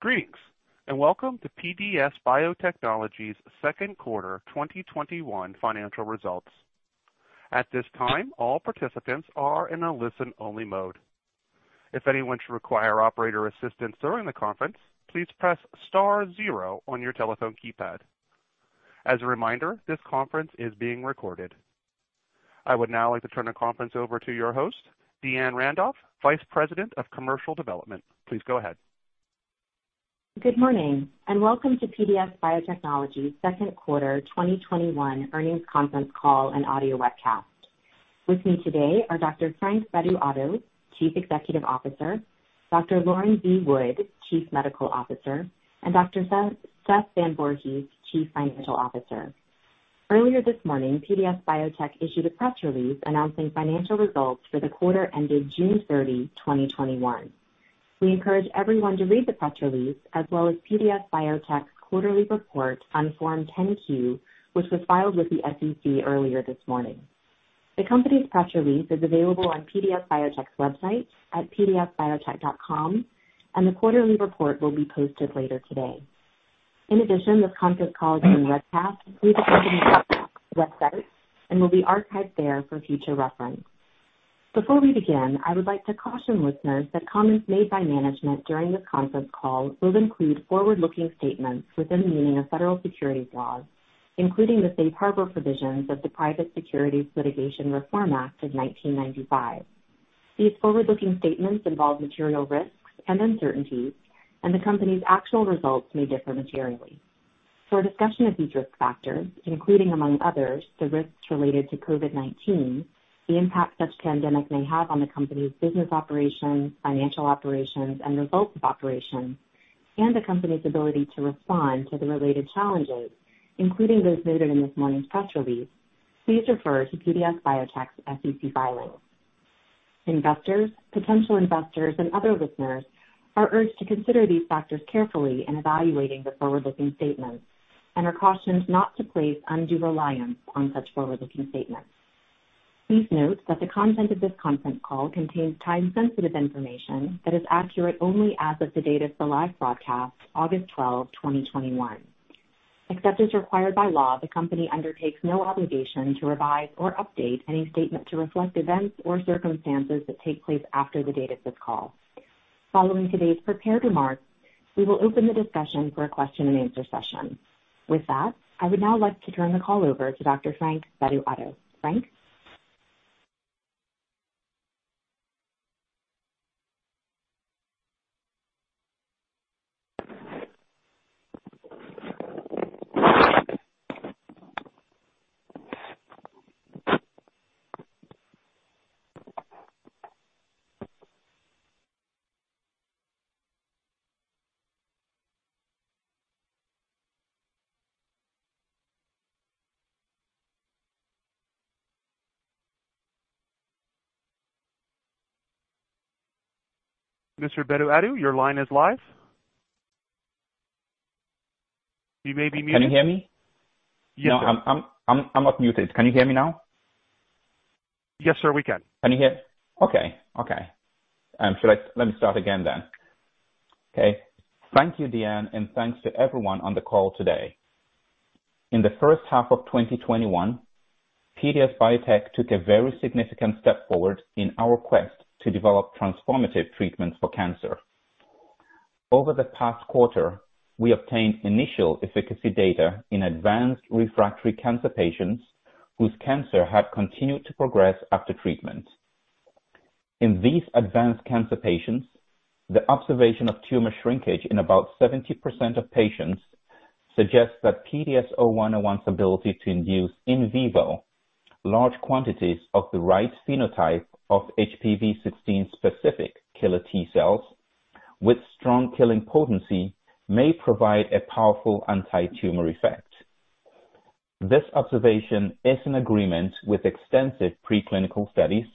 Greetings, and welcome to PDS Biotechnology's second quarter 2021 financial results. At this time, all participants are in a listen-only mode. If anyone should require operator's assistance during the conference, please press star, zero on your telephone keypad. As a reminder, this conference is being recorded. I would now like to turn the conference over to your host, Deanne Randolph, Vice President of Commercial Development. Please go ahead. Good morning, and welcome to PDS Biotechnology's second quarter 2021 earnings conference call and audio webcast. With me today are Dr. Frank Bedu-Addo, Chief Executive Officer, Dr. Lauren V. Wood, Chief Medical Officer, and Dr. Seth Van Voorhees, Chief Financial Officer. Earlier this morning, PDS Biotech issued a press release announcing financial results for the quarter ended June 30, 2021. We encourage everyone to read the press release, as well as PDS Biotech's quarterly report on Form 10-Q, which was filed with the SEC earlier this morning. The company's press release is available on PDS Biotech website at pdsbiotech.com, and the quarterly report will be posted later today. In addition, this conference call is being webcast through the company's website and will be archived there for future reference. Before we begin, I would like to caution listeners that comments made by management during this conference call will include forward-looking statements within the meaning of federal securities laws, including the safe harbor provisions of the Private Securities Litigation Reform Act of 1995. These forward-looking statements involve material risks and uncertainties, and the company's actual results may differ materially. For a discussion of these risk factors, including, among others, the risks related to COVID-19, the impact such pandemic may have on the company's business operations, financial operations, and results of operations, and the company's ability to respond to the related challenges, including those noted in this morning's press release, please refer to PDS Biotech's SEC filings. Investors, potential investors, and other listeners are urged to consider these factors carefully in evaluating the forward-looking statements and are cautioned not to place undue reliance on such forward-looking statements. Please note that the content of this conference call contains time-sensitive information that is accurate only as of the date of the live broadcast, August 12, 2021. Except as required by law, the company undertakes no obligation to revise or update any statement to reflect events or circumstances that take place after the date of this call. Following today's prepared remarks, we will open the discussion for a question and answer session. With that, I would now like to turn the call over to Dr. Frank Bedu-Addo. Frank? Mr. Bedu-Addo, your line is live. You may be muted. Can you hear me? Yes, sir. No, I'm not muted. Can you hear me now? Yes, sir. We can. Can you hear? Okay. Let me start again then. Okay. Thank you, Deanne, and thanks to everyone on the call today. In the first half of 2021, PDS Biotech took a very significant step forward in our quest to develop transformative treatments for cancer. Over the past quarter, we obtained initial efficacy data in advanced refractory cancer patients whose cancer had continued to progress after treatment. In these advanced cancer patients, the observation of tumor shrinkage in about 70% of patients suggests that PDS0101's ability to induce in vivo large quantities of the right phenotype of HPV16-specific killer T-cells with strong killing potency may provide a powerful antitumor effect. This observation is in agreement with extensive preclinical studies,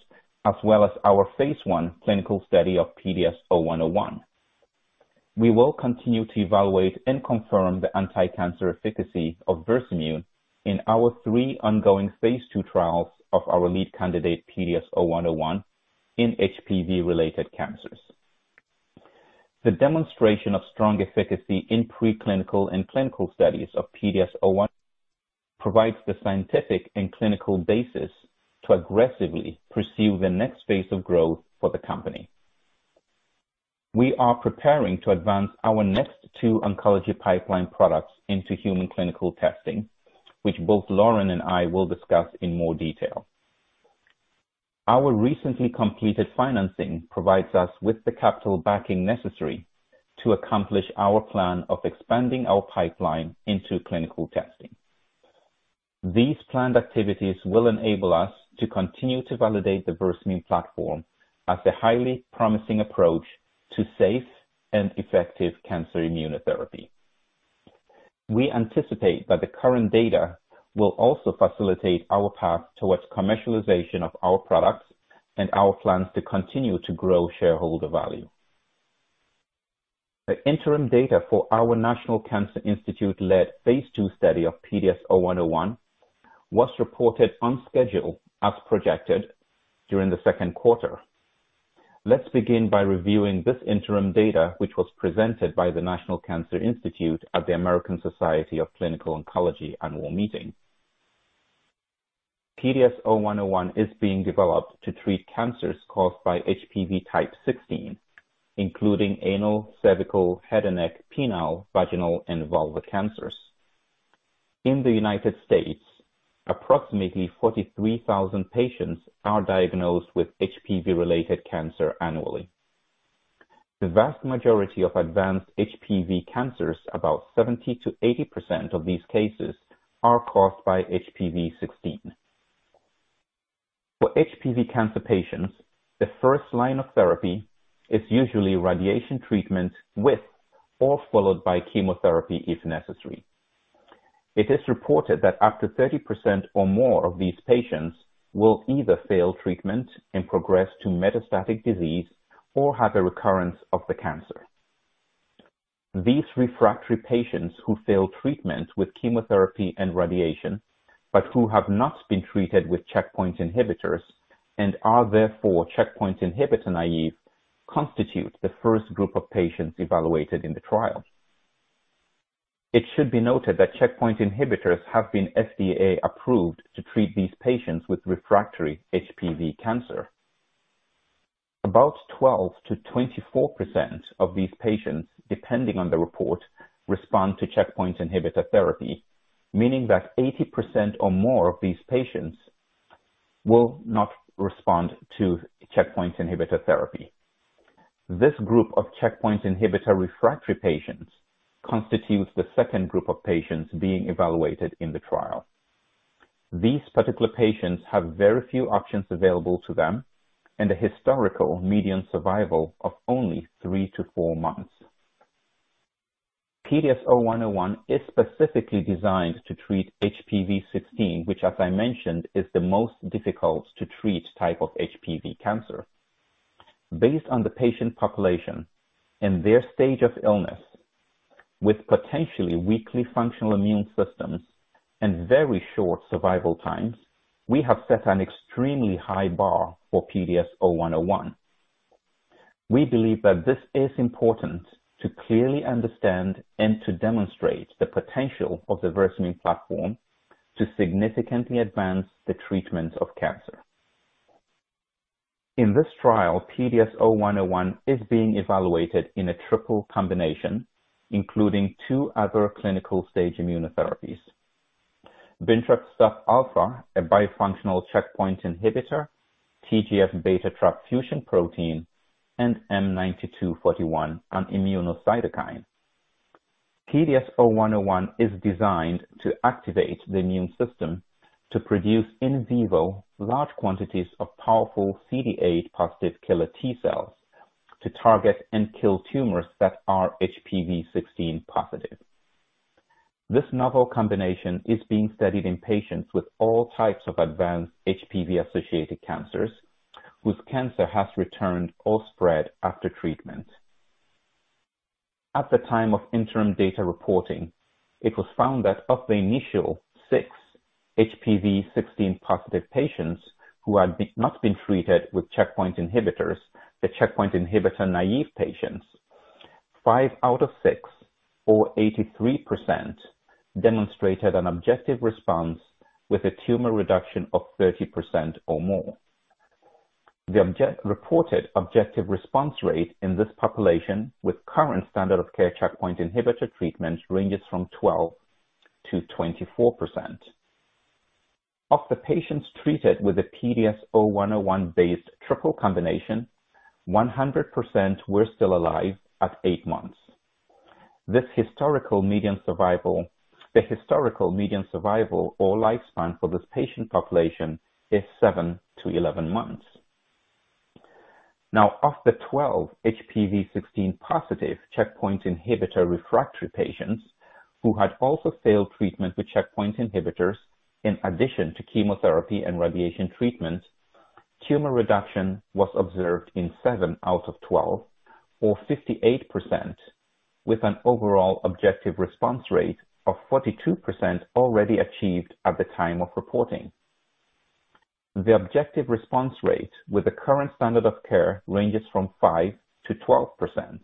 as well as our phase I clinical study of PDS0101. We will continue to evaluate and confirm the anticancer efficacy of Versamune in our three ongoing phase II trials of our lead candidate, PDS0101, in HPV-related cancers. The demonstration of strong efficacy in preclinical and clinical studies of PDS0101 provides the scientific and clinical basis to aggressively pursue the next phase of growth for the company. We are preparing to advance our next two oncology pipeline products into human clinical testing, which both Lauren and I will discuss in more detail. Our recently completed financing provides us with the capital backing necessary to accomplish our plan of expanding our pipeline into clinical testing. These planned activities will enable us to continue to validate the Versamune platform as a highly promising approach to safe and effective cancer immunotherapy. We anticipate that the current data will also facilitate our path towards commercialization of our products and our plans to continue to grow shareholder value. The interim data for our National Cancer Institute-led phase II study of PDS0101 was reported on schedule as projected during the second quarter. Let's begin by reviewing this interim data, which was presented by the National Cancer Institute at the American Society of Clinical Oncology annual meeting. PDS0101 is being developed to treat cancers caused by HPV16, including anal, cervical, head and neck, penile, vaginal, and vulvar cancers. In the United States, approximately 43,000 patients are diagnosed with HPV-related cancer annually. The vast majority of advanced HPV cancers, about 70%-80% of these cases, are caused by HPV16. For HPV cancer patients, the first line of therapy is usually radiation treatment with or followed by chemotherapy if necessary. It is reported that up to 30% or more of these patients will either fail treatment and progress to metastatic disease or have a recurrence of the cancer. These refractory patients who fail treatment with chemotherapy and radiation, but who have not been treated with checkpoint inhibitors and are therefore checkpoint inhibitor naive, constitute the first group of patients evaluated in the trial. It should be noted that checkpoint inhibitors have been FDA-approved to treat these patients with refractory HPV cancer. About 12%-24% of these patients, depending on the report, respond to checkpoint inhibitor therapy, meaning that 80% or more of these patients will not respond to checkpoint inhibitor therapy. This group of checkpoint inhibitor refractory patients constitutes the second group of patients being evaluated in the trial. These particular patients have very few options available to them and a historical median survival of only three to four months. PDS0101 is specifically designed to treat HPV16, which, as I mentioned, is the most difficult to treat type of HPV cancer. Based on the patient population and their stage of illness, with potentially weakly functional immune systems and very short survival times, we have set an extremely high bar for PDS0101. We believe that this is important to clearly understand and to demonstrate the potential of the Versamune platform to significantly advance the treatment of cancer. In this trial, PDS0101 is being evaluated in a triple combination, including two other clinical-stage immunotherapies. bintrafusp alfa, a bifunctional checkpoint inhibitor, TGF-beta trap fusion protein, and M9241, an immunocytokine. PDS0101 is designed to activate the immune system to produce in vivo large quantities of powerful CD8 positive killer T-cells to target and kill tumors that are HPV16-positive. This novel combination is being studied in patients with all types of advanced HPV-associated cancers whose cancer has returned or spread after treatment. At the time of interim data reporting, it was found that of the initial six HPV16-positive patients who had not been treated with checkpoint inhibitors, the checkpoint inhibitor-naive patients, five out of six, or 83%, demonstrated an objective response with a tumor reduction of 30% or more. The reported objective response rate in this population with current standard of care checkpoint inhibitor treatment ranges from 12%-24%. Of the patients treated with a PDS0101-based triple combination, 100% were still alive at eight months. The historical median survival or lifespan for this patient population is 7-11 months. Now, of the 12 HPV16-positive checkpoint inhibitor refractory patients who had also failed treatment with checkpoint inhibitors in addition to chemotherapy and radiation treatment, tumor reduction was observed in seven out of 12, or 58%, with an overall objective response rate of 42% already achieved at the time of reporting. The objective response rate with the current standard of care ranges from 5%-12%.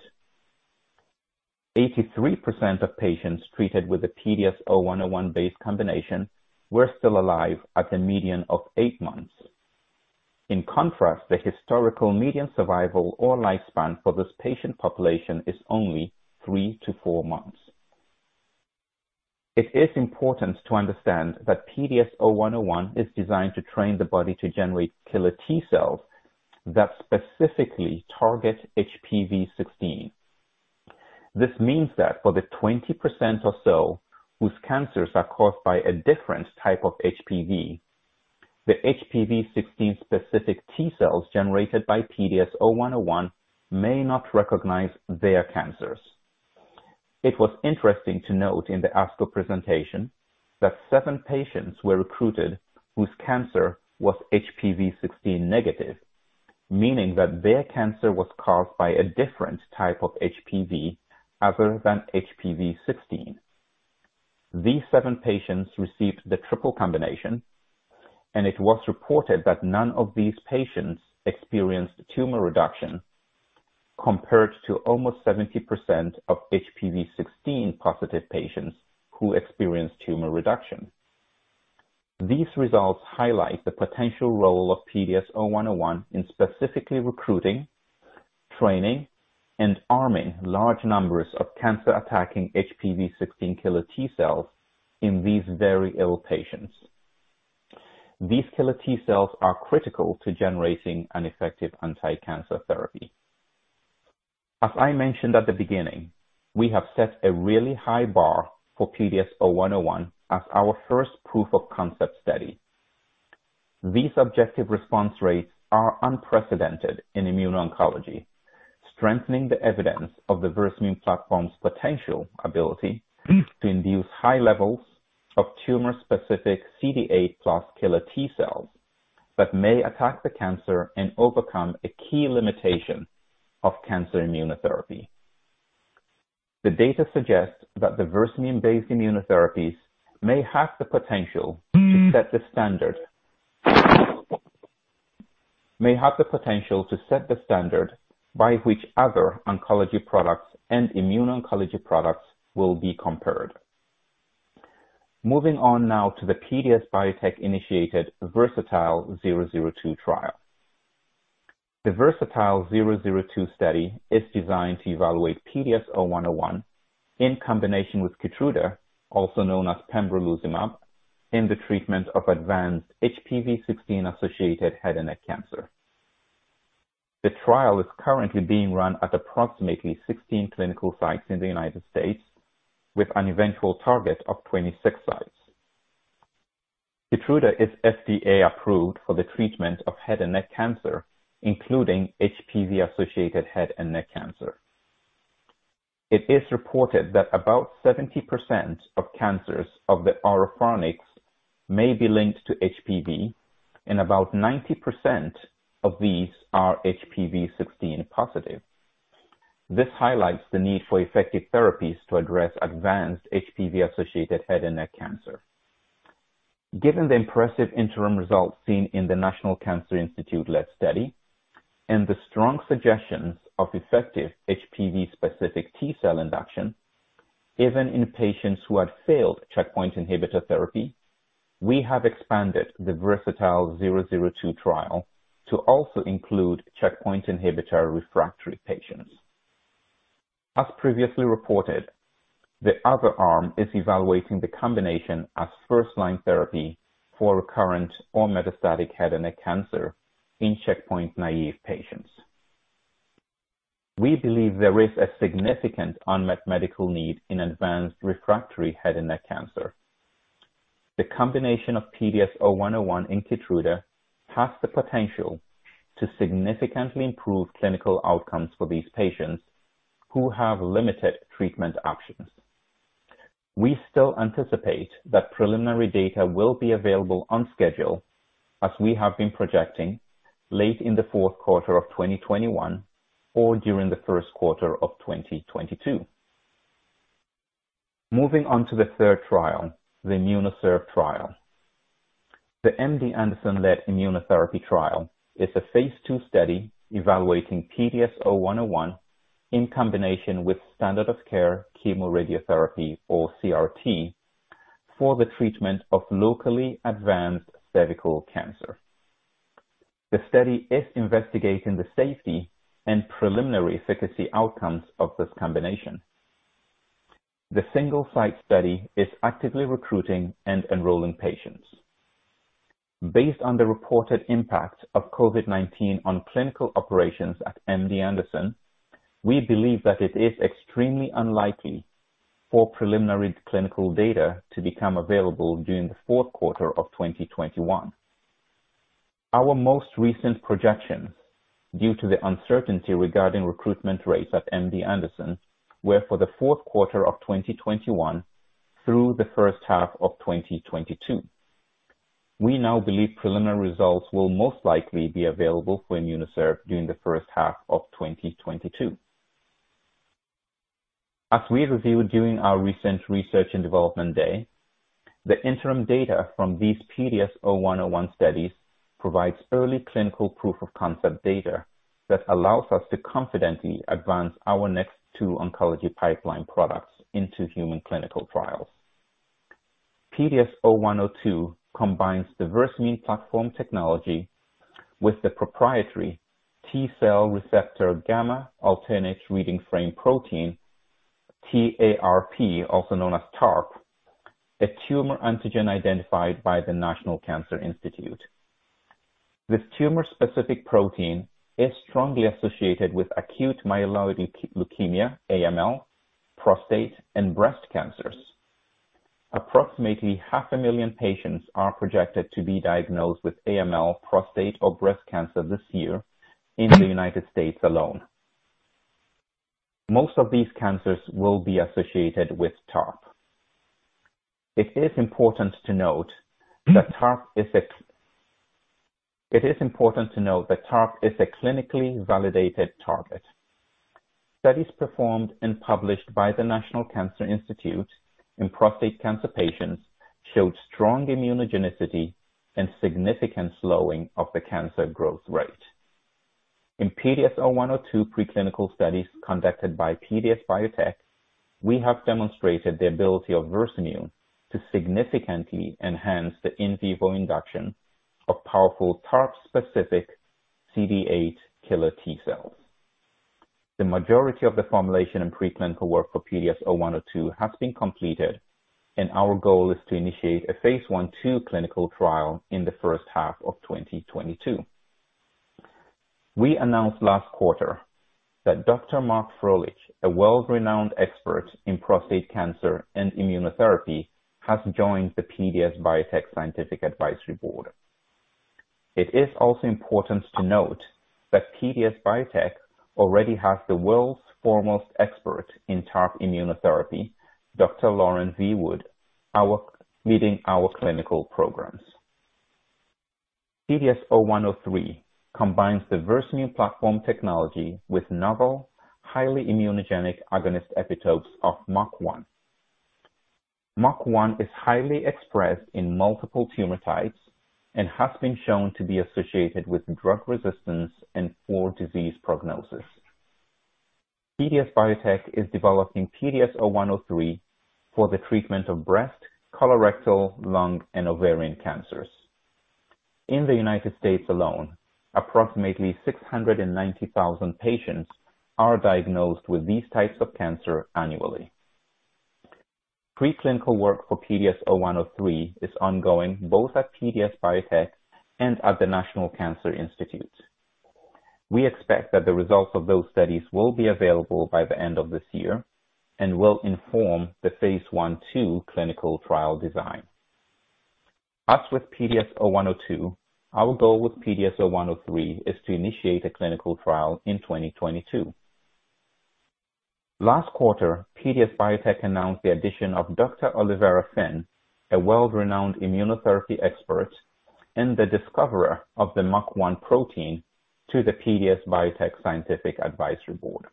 83% of patients treated with the PDS0101-based combination were still alive at the median of eight months. In contrast, the historical median survival or lifespan for this patient population is only three to four months. It is important to understand that PDS0101 is designed to train the body to generate killer T-cells that specifically target HPV16. This means that for the 20% or so whose cancers are caused by a different type of HPV, the HPV16 specific T-cells generated by PDS0101 may not recognize their cancers. It was interesting to note in the ASCO presentation that seven patients were recruited whose cancer was HPV16 negative. Their cancer was caused by a different type of HPV other than HPV16. These seven patients received the triple combination, and it was reported that none of these patients experienced tumor reduction compared to almost 70% of HPV16-positive patients who experienced tumor reduction. These results highlight the potential role of PDS0101 in specifically recruiting, training, and arming large numbers of cancer attacking HPV16 killer T-cells in these very ill patients. These killer T-cells are critical to generating an effective anti-cancer therapy. As I mentioned at the beginning, we have set a really high bar for PDS0101 as our first proof of concept study. These objective response rates are unprecedented in immune oncology, strengthening the evidence of the Versamune platform's potential ability to induce high levels of tumor specific CD8+ killer T-cell that may attack the cancer and overcome a key limitation of cancer immunotherapy. The data suggests that the Versamune-based immunotherapies may have the potential to set the standard by which other oncology products and immune oncology products will be compared. Moving on now to the PDS Biotech initiated VERSATILE-002 trial. The VERSATILE-002 study is designed to evaluate PDS0101 in combination with KEYTRUDA, also known as pembrolizumab, in the treatment of advanced HPV16-associated head and neck cancer. The trial is currently being run at approximately 16 clinical sites in the United States with an eventual target of 26 sites. KEYTRUDA is FDA approved for the treatment of head and neck cancer, including HPV-associated head and neck cancer. It is reported that about 70% of cancers of the oropharynx may be linked to HPV, and about 90% of these are HPV16-positive. This highlights the need for effective therapies to address advanced HPV-associated head and neck cancer. Given the impressive interim results seen in the National Cancer Institute-led study, and the strong suggestions of effective HPV specific T-cell induction, even in patients who had failed checkpoint inhibitor therapy, we have expanded the VERSATILE-002 trial to also include checkpoint inhibitor refractory patients. As previously reported, the other arm is evaluating the combination as first-line therapy for recurrent or metastatic head and neck cancer in checkpoint-naïve patients. We believe there is a significant unmet medical need in advanced refractory head and neck cancer. The combination of PDS0101 and KEYTRUDA has the potential to significantly improve clinical outcomes for these patients who have limited treatment options. We still anticipate that preliminary data will be available on schedule as we have been projecting late in the fourth quarter of 2021 or during the first quarter of 2022. Moving on to the third trial, the IMMUNOCERV trial. The MD Anderson-led immunotherapy trial is a phase II study evaluating PDS0101 in combination with standard of care chemoradiotherapy or CRT for the treatment of locally advanced cervical cancer. The study is investigating the safety and preliminary efficacy outcomes of this combination. The single site study is actively recruiting and enrolling patients. Based on the reported impact of COVID-19 on clinical operations at MD Anderson, we believe that it is extremely unlikely for preliminary clinical data to become available during the fourth quarter of 2021. Our most recent projection, due to the uncertainty regarding recruitment rates at MD Anderson, were for the fourth quarter of 2021 through the first half of 2022. We now believe preliminary results will most likely be available for IMMUNOCERV during the first half of 2022. As we reviewed during our recent research and development day, the interim data from these PDS0101 studies provides early clinical proof of concept data that allows us to confidently advance our next two oncology pipeline products into human clinical trials. PDS0102 combines the Versamune platform technology with the proprietary T-cell receptor gamma alternate reading frame protein, TARP, also known as TARP, a tumor antigen identified by the National Cancer Institute. This tumor specific protein is strongly associated with acute myeloid leukemia, AML, prostate, and breast cancers. Approximately half a million patients are projected to be diagnosed with AML, prostate, or breast cancer this year in the United States alone. Most of these cancers will be associated with TARP. It is important to note that TARP is a clinically validated target. Studies performed and published by the National Cancer Institute in prostate cancer patients showed strong immunogenicity and significant slowing of the cancer growth rate. In PDS0102 preclinical studies conducted by PDS Biotech, we have demonstrated the ability of Versamune to significantly enhance the in vivo induction of powerful TARP-specific CD8 killer T-cells. The majority of the formulation and preclinical work for PDS0102 has been completed, and our goal is to initiate a phase I,II clinical trial in the first half of 2022. We announced last quarter that Dr. Mark Frohlich, a world-renowned expert in prostate cancer and immunotherapy, has joined the PDS Biotech Scientific Advisory Board. It is also important to note that PDS Biotech already has the world's foremost expert in TARP immunotherapy, Dr. Lauren V. Wood, leading our clinical programs. PDS0103 combines the Versamune platform technology with novel, highly immunogenic agonist epitopes of MUC1. MUC1 is highly expressed in multiple tumor types and has been shown to be associated with drug resistance and poor disease prognosis. PDS Biotech is developing PDS0103 for the treatment of breast, colorectal, lung, and ovarian cancers. In the United States alone, approximately 690,000 patients are diagnosed with these types of cancer annually. Preclinical work for PDS0103 is ongoing both at PDS Biotech and at the National Cancer Institute. We expect that the results of those studies will be available by the end of this year and will inform the phase I,II clinical trial design. As with PDS0102, our goal with PDS0103 is to initiate a clinical trial in 2022. Last quarter, PDS Biotech announced the addition of Dr. Olivera Finn, a world-renowned immunotherapy expert and the discoverer of the MUC1 protein, to the PDS Biotech Scientific Advisory Board.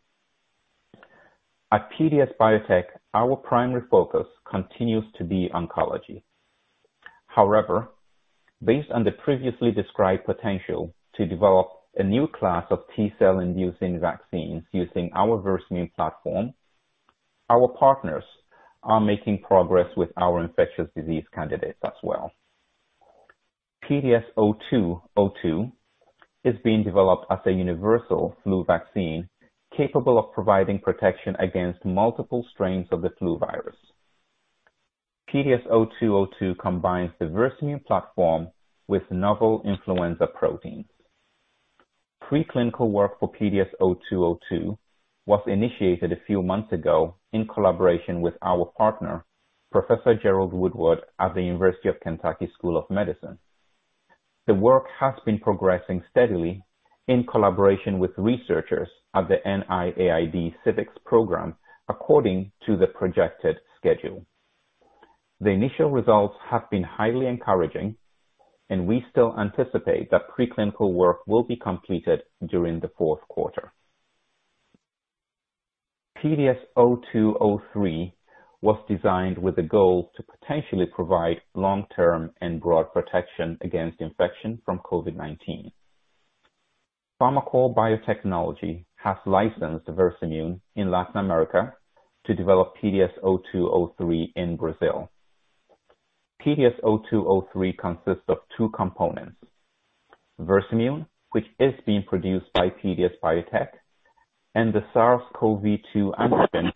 At PDS Biotech, our primary focus continues to be oncology. Based on the previously described potential to develop a new class of T-cell-inducing vaccines using our Versamune platform, our partners are making progress with our infectious disease candidates as well. PDS0202 is being developed as a universal flu vaccine capable of providing protection against multiple strains of the flu virus. PDS0202 combines the Versamune platform with novel influenza proteins. Preclinical work for PDS0202 was initiated a few months ago in collaboration with our partner, Professor Jerold Woodward at the University of Kentucky College of Medicine. The work has been progressing steadily in collaboration with researchers at the NIAID CIVICs program, according to the projected schedule. The initial results have been highly encouraging, and we still anticipate that preclinical work will be completed during the fourth quarter. PDS0203 was designed with the goal to potentially provide long-term and broad protection against infection from COVID-19. Farmacore Biotechnology has licensed Versamune in Latin America to develop PDS0203 in Brazil. PDS0203 consists of two components, Versamune, which is being produced by PDS Biotech, and the SARS-CoV-2 antigen,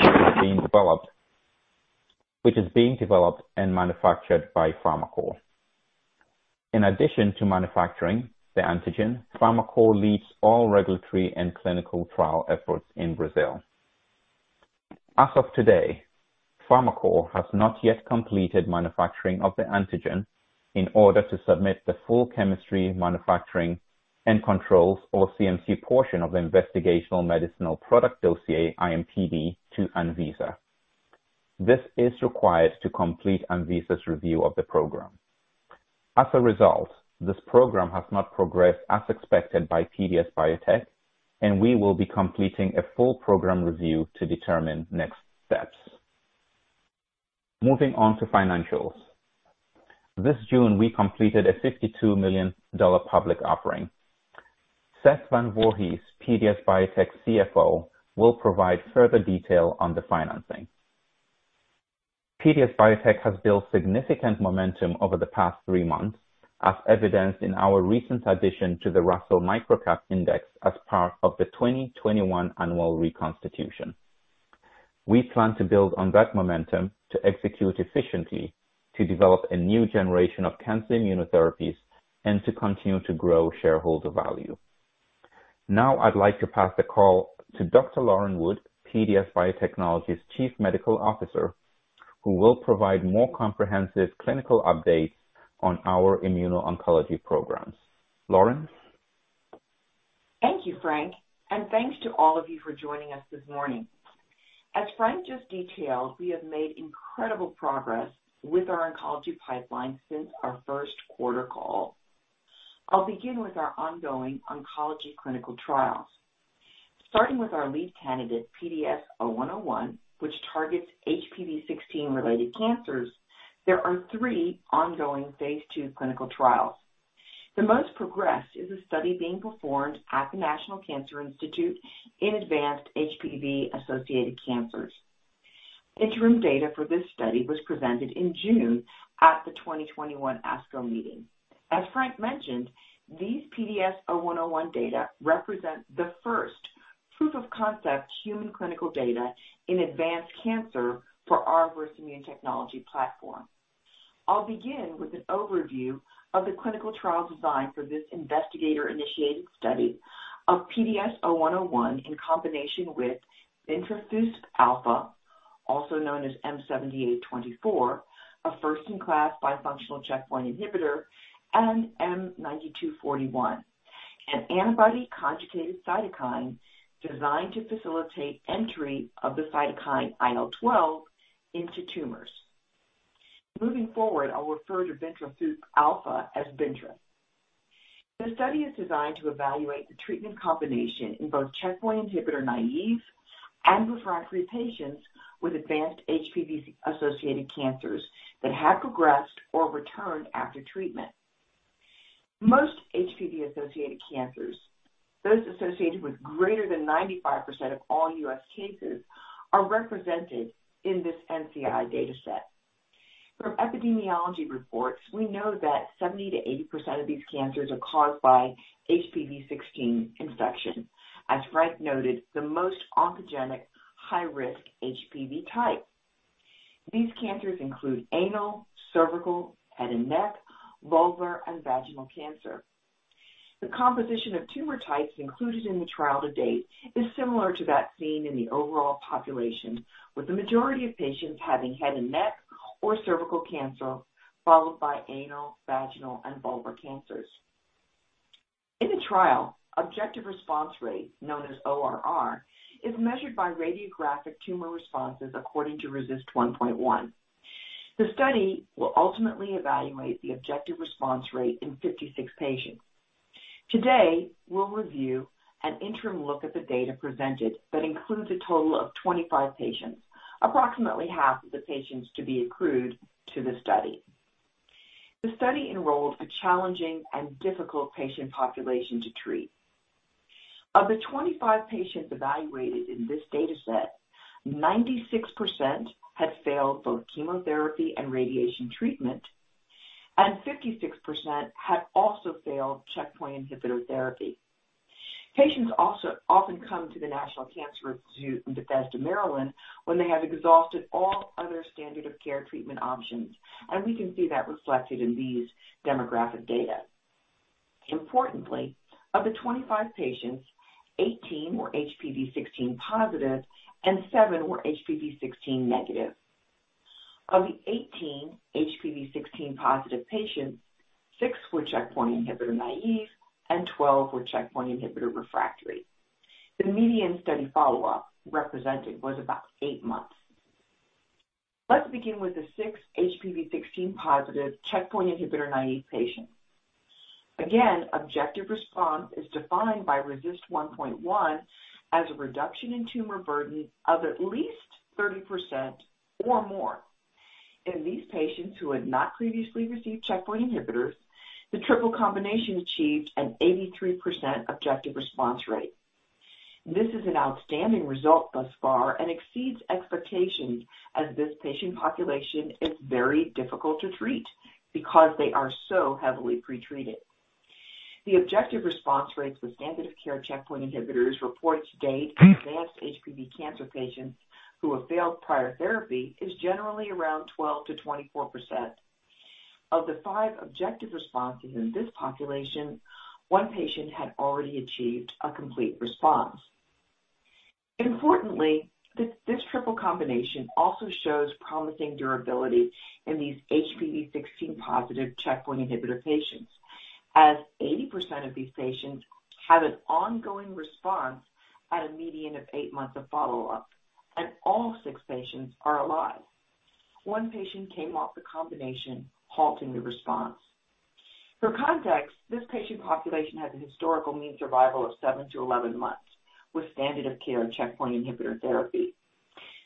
which is being developed and manufactured by Farmacore. In addition to manufacturing the antigen, Farmacore leads all regulatory and clinical trial efforts in Brazil. As of today, Farmacore has not yet completed manufacturing of the antigen in order to submit the full chemistry, manufacturing, and controls or CMC portion of the Investigational Medicinal Product Dossier, IMPD to Anvisa. This is required to complete Anvisa's review of the program. As a result, this program has not progressed as expected by PDS Biotech, and we will be completing a full program review to determine next steps. Moving on to financials. This June, we completed a $52 million public offering. Seth Van Voorhees, PDS Biotech's CFO, will provide further detail on the financing. PDS Biotech has built significant momentum over the past three months, as evidenced in our recent addition to the Russell Microcap Index as part of the 2021 annual reconstitution. We plan to build on that momentum to execute efficiently, to develop a new generation of cancer immunotherapies, and to continue to grow shareholder value. Now I'd like to pass the call to Dr. Lauren Wood, PDS Biotechnology's Chief Medical Officer, who will provide more comprehensive clinical updates on our immuno-oncology programs. Lauren? Thank you, Frank, and thanks to all of you for joining us this morning. As Frank just detailed, we have made incredible progress with our oncology pipeline since our first quarter call. I'll begin with our ongoing oncology clinical trials. Starting with our lead candidate, PDS0101, which targets HPV16-related cancers, there are three ongoing phase II clinical trials. The most progressed is a study being performed at the National Cancer Institute in advanced HPV-associated cancers. Interim data for this study was presented in June at the 2021 ASCO meeting. As Frank mentioned, these PDS0101 data represent the first proof of concept human clinical data in advanced cancer for our Versamune technology platform. I'll begin with an overview of the clinical trial design for this investigator-initiated study of PDS0101 in combination with bintrafusp alfa, also known as M7824, a first-in-class bifunctional checkpoint inhibitor, and M9241, an antibody conjugative cytokine designed to facilitate entry of the cytokine IL-12 into tumors. Moving forward, I'll refer to bintrafusp alfa as bintra. The study is designed to evaluate the treatment combination in both checkpoint inhibitor-naïve and refractory patients with advanced HPV associated cancers that have progressed or returned after treatment. Most HPV-associated cancers, those associated with greater than 95% of all U.S. cases, are represented in this NCI data set. From epidemiology reports, we know that 70%-80% of these cancers are caused by HPV16 infection. As Frank noted, the most oncogenic high-risk HPV type. These cancers include anal, cervical, head and neck, vulvar, and vaginal cancer. The composition of tumor types included in the trial to date is similar to that seen in the overall population, with the majority of patients having head and neck or cervical cancer, followed by anal, vaginal, and vulvar cancers. In the trial, objective response rate, known as ORR, is measured by radiographic tumor responses according to RECIST 1.1. The study will ultimately evaluate the objective response rate in 56 patients. Today, we'll review an interim look at the data presented that includes a total of 25 patients, approximately half of the patients to be accrued to the study. The study enrolled a challenging and difficult patient population to treat. Of the 25 patients evaluated in this data set, 96% had failed both chemotherapy and radiation treatment, and 56% had also failed checkpoint inhibitor therapy. Patients often come to the National Cancer Institute in Bethesda, Maryland, when they have exhausted all other standard of care treatment options, and we can see that reflected in these demographic data. Importantly, of the 25 patients, 18 were HPV16-positive and seven were HPV16 negative. Of the 18 HPV16-positive patients, sick were checkpoint inhibitor naïve and 12 were checkpoint inhibitor refractory. The median study follow-up represented was about eight months. Let's begin with the six HPV16-positive checkpoint inhibitor-naïve patients. Again, objective response is defined by RECIST 1.1 as a reduction in tumor burden of at least 30% or more. In these patients who had not previously received checkpoint inhibitors, the triple combination achieved an 83% objective response rate. This is an outstanding result thus far and exceeds expectations as this patient population is very difficult to treat because they are so heavily pretreated. The objective response rates with standard of care checkpoint inhibitors reports to date in advanced HPV cancer patients who have failed prior therapy is generally around 12%-24%. Of the five objective responses in this population, one patient had already achieved a complete response. Importantly, this triple combination also shows promising durability in these HPV16-positive checkpoint inhibitor patients, as 80% of these patients have an ongoing response at a median of eight months of follow-up, and all six patients are alive. One patient came off the combination, halting the response. For context, this patient population has a historical mean survival of 7-11 months with standard of care and checkpoint inhibitor therapy.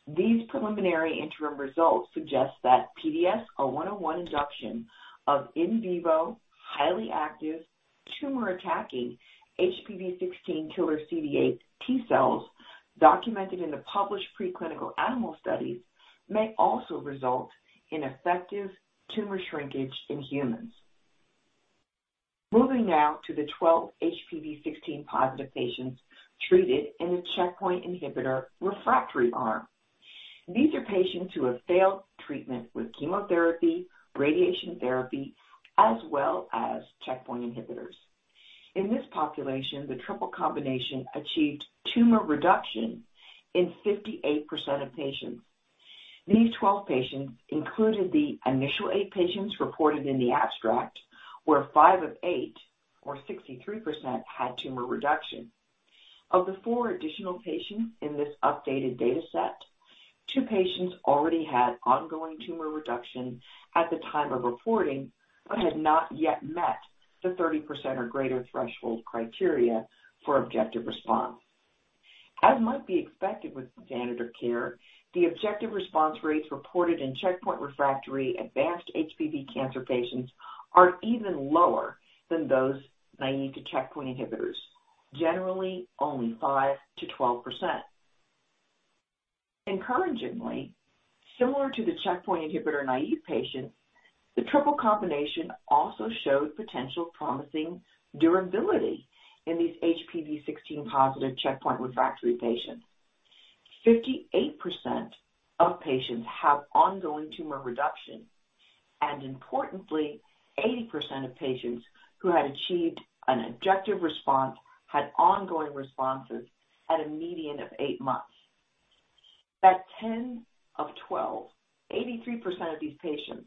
These preliminary interim results suggest that PDS0101 induction of in vivo, highly active, tumor-attacking HPV16 killer CD8 T-cells documented in the published preclinical animal studies may also result in effective tumor shrinkage in humans. Moving now to the 12 HPV16-positive patients treated in the checkpoint inhibitor refractory arm. These are patients who have failed treatment with chemotherapy, radiation therapy, as well as checkpoint inhibitors. In this population, the triple combination achieved tumor reduction in 58% of patients. These 12 patients included the initial eight patients reported in the abstract, where five of eight, or 63%, had tumor reduction. Of the four additional patients in this updated data set, two patients already had ongoing tumor reduction at the time of reporting but had not yet met the 30% or greater threshold criteria for objective response. As might be expected with standard care, the objective response rates reported in checkpoint refractory advanced HPV cancer patients are even lower than those naive to checkpoint inhibitors, generally only 5%-12%. Encouragingly, similar to the checkpoint inhibitor-naive patients, the triple combination also showed potential promising durability in these HPV16-positive checkpoint refractory patients. 58% of patients have ongoing tumor reduction, and importantly, 80% of patients who had achieved an objective response had ongoing responses at a median of eight months. That 10 of 12, 83% of these patients,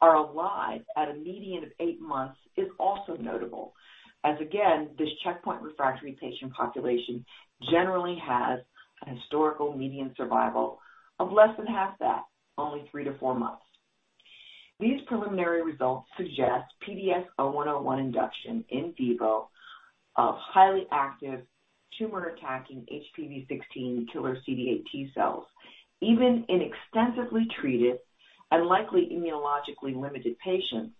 are alive at a median of eight months is also notable, as again, this checkpoint refractory patient population generally has a historical median survival of less than half that, only three to four months. These preliminary results suggest PDS0101 induction in vivo of highly active tumor-attacking HPV16 killer CD8 T-cells, even in extensively treated, and likely immunologically limited patients,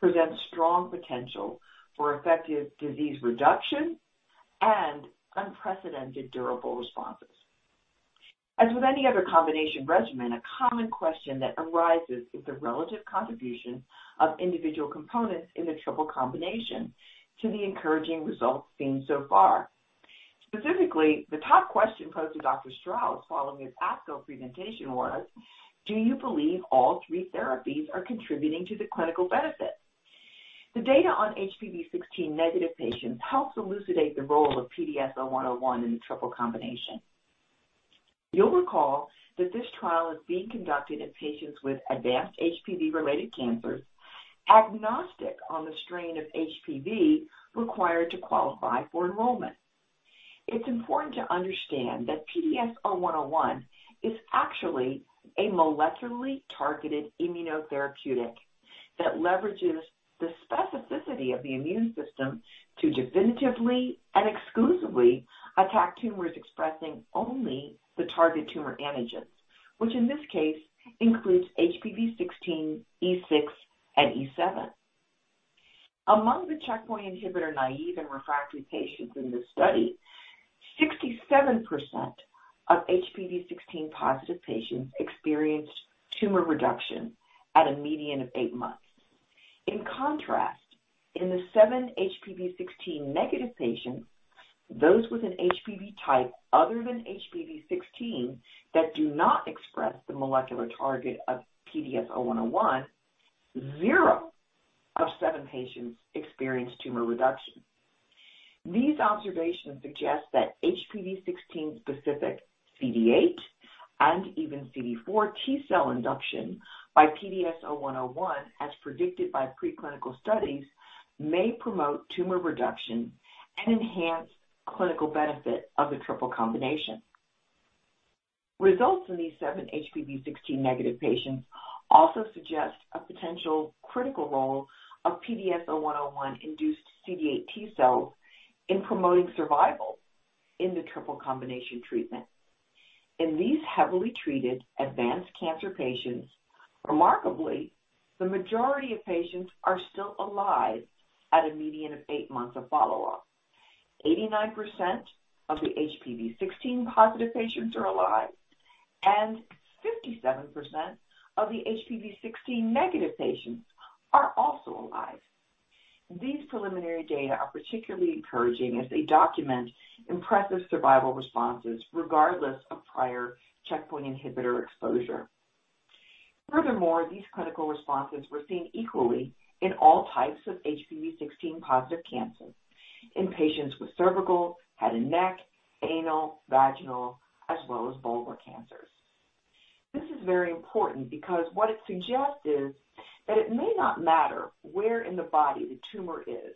presents strong potential for effective disease reduction and unprecedented durable responses. As with any other combination regimen, a common question that arises is the relative contribution of individual components in the triple combination to the encouraging results seen so far. Specifically, the top question posed to Dr. Strauss following his ASCO presentation was, do you believe all three therapies are contributing to the clinical benefit? The data on HPV16-negative patients helps elucidate the role of PDS0101 in the triple combination. You'll recall that this trial is being conducted in patients with advanced HPV-related cancers, agnostic on the strain of HPV required to qualify for enrollment. It's important to understand that PDS0101 is actually a molecularly targeted immunotherapeutic that leverages the specificity of the immune system to definitively and exclusively attack tumors expressing only the target tumor antigens, which in this case includes HPV16, E6, and E7. Among the checkpoint inhibitor-naive and refractory patients in this study, 67% of HPV16-positive patients experienced tumor reduction at a median of eight months. In contrast, in the seven HPV16-negative patients, those with an HPV type other than HPV16 that do not express the molecular target of PDS0101, zero of seven patients experienced tumor reduction. These observations suggest that HPV16 specific CD8 and even CD4 T-cell induction by PDS0101, as predicted by preclinical studies, may promote tumor reduction and enhance clinical benefit of the triple combination. Results in these seven HPV16-negative patients also suggest a potential critical role of PDS0101-induced CD8 T-cells in promoting survival in the triple combination treatment. In these heavily treated advanced cancer patients, remarkably, the majority of patients are still alive at a median of eight months of follow-up. 89% of the HPV16-positive patients are alive, and 57% of the HPV16-negative patients are also alive. These preliminary data are particularly encouraging as they document impressive survival responses regardless of prior checkpoint inhibitor exposure. Furthermore, these clinical responses were seen equally in all types of HPV16-positive cancers in patients with cervical, head and neck, anal, vaginal, as well as vulvar cancers. This is very important because what it suggests is that it may not matter where in the body the tumor is,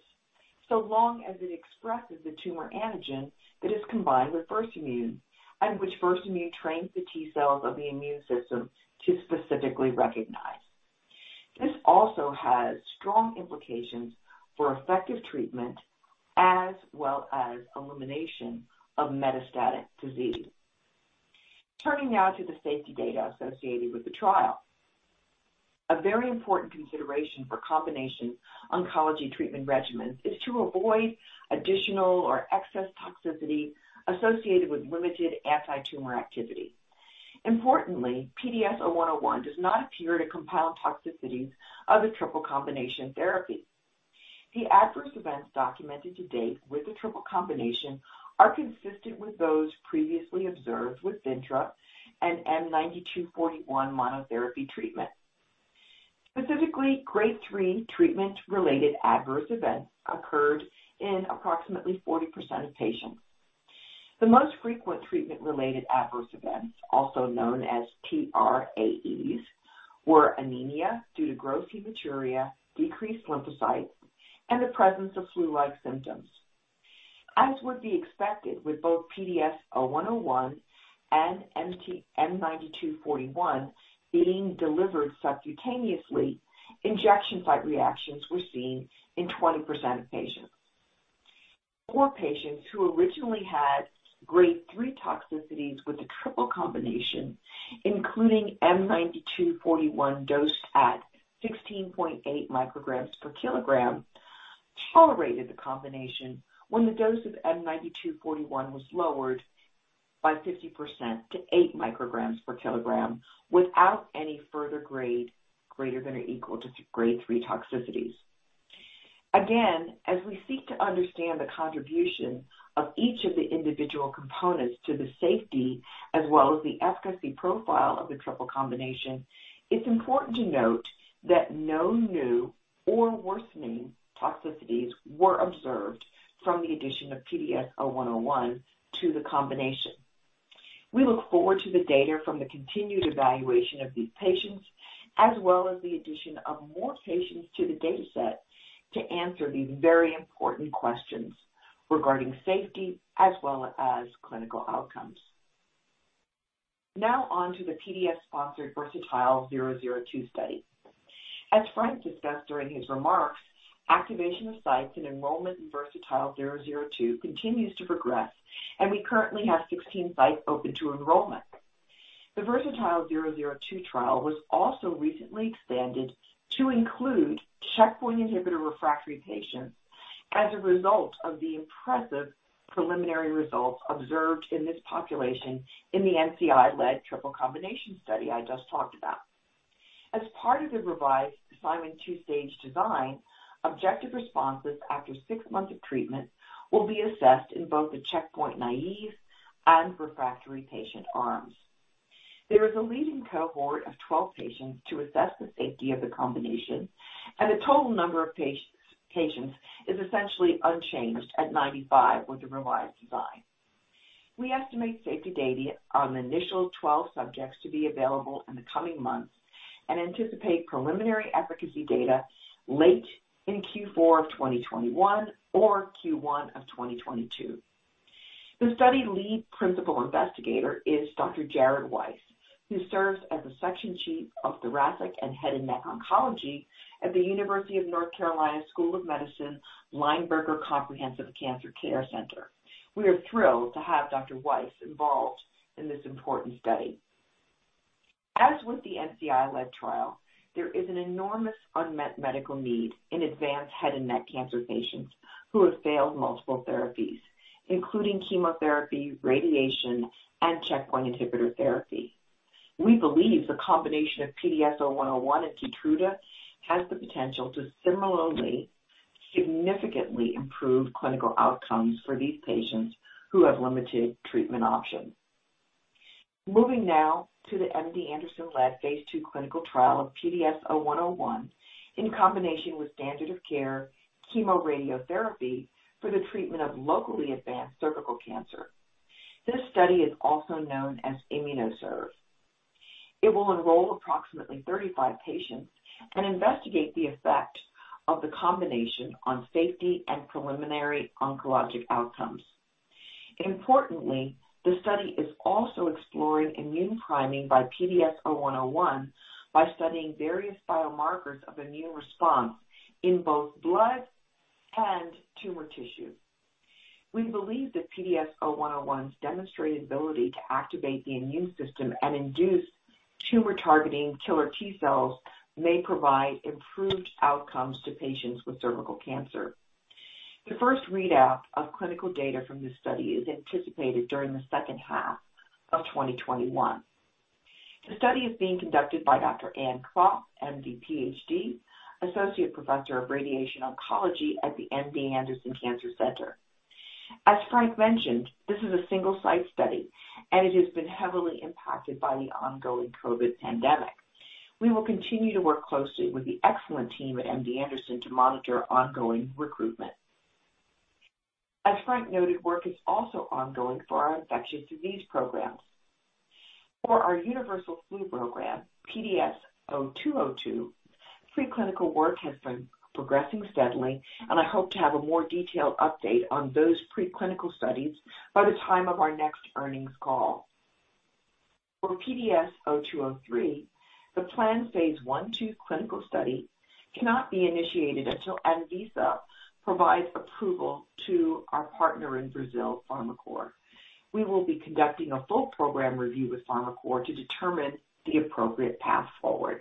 so long as it expresses the tumor antigen that is combined with Versamune, and which Versamune trains the T-cells of the immune system to specifically recognize. This also has strong implications for effective treatment as well as elimination of metastatic disease. Turning now to the safety data associated with the trial. A very important consideration for combination oncology treatment regimens is to avoid additional or excess toxicity associated with limited anti-tumor activity. Importantly, PDS0101 does not appear to compound toxicities of the triple combination therapy. The adverse events documented to date with the triple combination are consistent with those previously observed with bintra and M9241 monotherapy treatment. Specifically, Grade 3 treatment-related adverse events occurred in approximately 40% of patients. The most frequent treatment-related adverse events, also known as TRAEs, were anemia due to gross hematuria, decreased lymphocytes, and the presence of flu-like symptoms. As would be expected with both PDS0101 and M9241 being delivered subcutaneously, injection site reactions were seen in 20% of patients. Four patients who originally had Grade 3 toxicities with the triple combination, including M9241 dosed at 16.8 μg/kg, tolerated the combination when the dose of M9241 was lowered by 50% to 8 μg/kg without any further grade greater than or equal to Grade 3 toxicities. Again, as we seek to understand the contribution of each of the individual components to the safety as well as the efficacy profile of the triple combination, it's important to note that no new or worsening toxicities were observed from the addition of PDS0101 to the combination. We look forward to the data from the continued evaluation of these patients, as well as the addition of more patients to the data set to answer these very important questions regarding safety as well as clinical outcomes. Now on to the PDS-sponsored VERSATILE-002 study. As Frank discussed during his remarks, activation of sites and enrollment in VERSATILE-002 continues to progress, and we currently have 16 sites open to enrollment. The VERSATILE-002 trial was also recently expanded to include checkpoint inhibitor-refractory patients as a result of the impressive preliminary results observed in this population in the NCI-led triple combination study I just talked about. As part of the revised Simon's two-stage design, objective responses after six months of treatment will be assessed in both the checkpoint-naïve and refractory patient arms. There is a leading cohort of 12 patients to assess the safety of the combination, and the total number of patients is essentially unchanged at 95 with the revised design. We estimate safety data on the initial 12 subjects to be available in the coming months and anticipate preliminary efficacy data late in Q4 of 2021 or Q1 of 2022. The study lead principal investigator is Dr. Jared Weiss, who serves as the section Chief of Thoracic and Head and neck Oncology at the University of North Carolina School of Medicine, Lineberger Comprehensive Cancer Center. We are thrilled to have Dr. Weiss involved in this important study. As with the NCI-led trial, there is an enormous unmet medical need in advanced head and neck cancer patients who have failed multiple therapies, including chemotherapy, radiation, and checkpoint inhibitor therapy. We believe the combination of PDS0101 and KEYTRUDA has the potential to similarly significantly improve clinical outcomes for these patients who have limited treatment options. Moving now to the MD Anderson-led phase II clinical trial of PDS0101 in combination with standard of care chemoradiotherapy for the treatment of locally advanced cervical cancer. This study is also known as IMMUNOCERV. It will enroll approximately 35 patients and investigate the effect of the combination on safety and preliminary oncologic outcomes. Importantly, the study is also exploring immune priming by PDS0101 by studying various biomarkers of immune response in both blood and tumor tissue. We believe that PDS0101's demonstrated ability to activate the immune system and induce tumor-targeting killer T-cells may provide improved outcomes to patients with cervical cancer. The first readout of clinical data from this study is anticipated during the second half of 2021. The study is being conducted by Dr. Ann Klopp, M.D., Ph.D., Associate Professor of Radiation Oncology at the MD Anderson Cancer Center. As Frank mentioned, this is a single-site study, it has been heavily impacted by the ongoing COVID pandemic. We will continue to work closely with the excellent team at MD Anderson to monitor ongoing recruitment. As Frank noted, work is also ongoing for our infectious disease programs. For our universal flu program, PDS0202, preclinical work has been progressing steadily, I hope to have a more detailed update on those preclinical studies by the time of our next earnings call. For PDS0203, the planned phase I,II clinical study cannot be initiated until Anvisa provides approval to our partner in Brazil, Farmacore. We will be conducting a full program review with Farmacore to determine the appropriate path forward.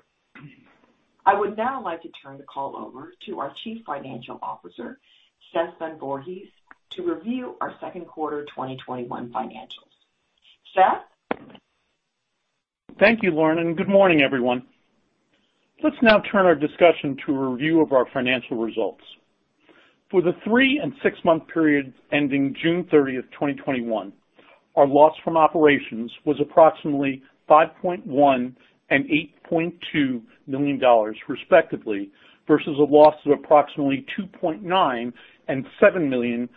I would now like to turn the call over to our Chief Financial Officer, Seth Van Voorhees, to review our second quarter 2021 financials. Seth? Thank you, Lauren. Good morning, everyone. Let's now turn our discussion to a review of our financial results. For the three and six-month period ending June 30th, 2021, our loss from operations was approximately $5.1 and $8.2 million respectively, versus a loss of approximately $2.9 and $7 million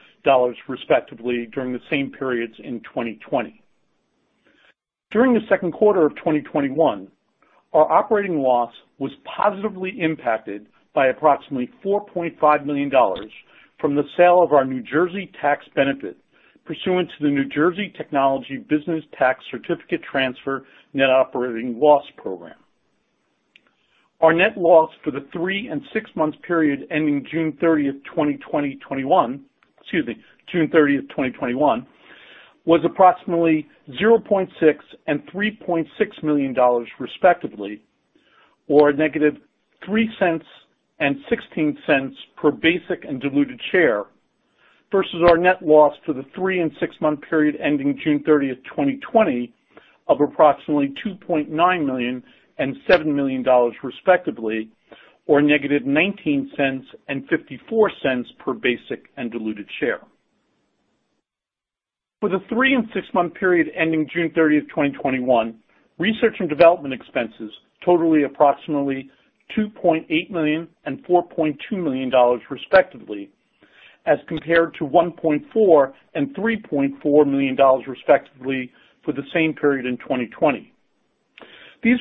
respectively during the same periods in 2020. During the second quarter of 2021, our operating loss was positively impacted by approximately $4.5 million from the sale of our New Jersey tax benefit pursuant to the New Jersey Technology Business Tax Certificate Transfer net operating loss program. Our net loss for the three and six-month period ending June 30th, 2021, was approximately $0.6 and $3.6 million respectively, or a negative $0.03 and $0.16 per basic and diluted share, versus our net loss for the three and six-month period ending June 30, 2020, of approximately $2.9 million and $7 million respectively, or negative $0.19 and $0.54 per basic and diluted share. For the three and six-moth period ending June 30th, 2021, research and development expenses totaling approximately $2.8 million and $4.2 million respectively, as compared to $1.4 and $3.4 million respectively for the same period in 2020. These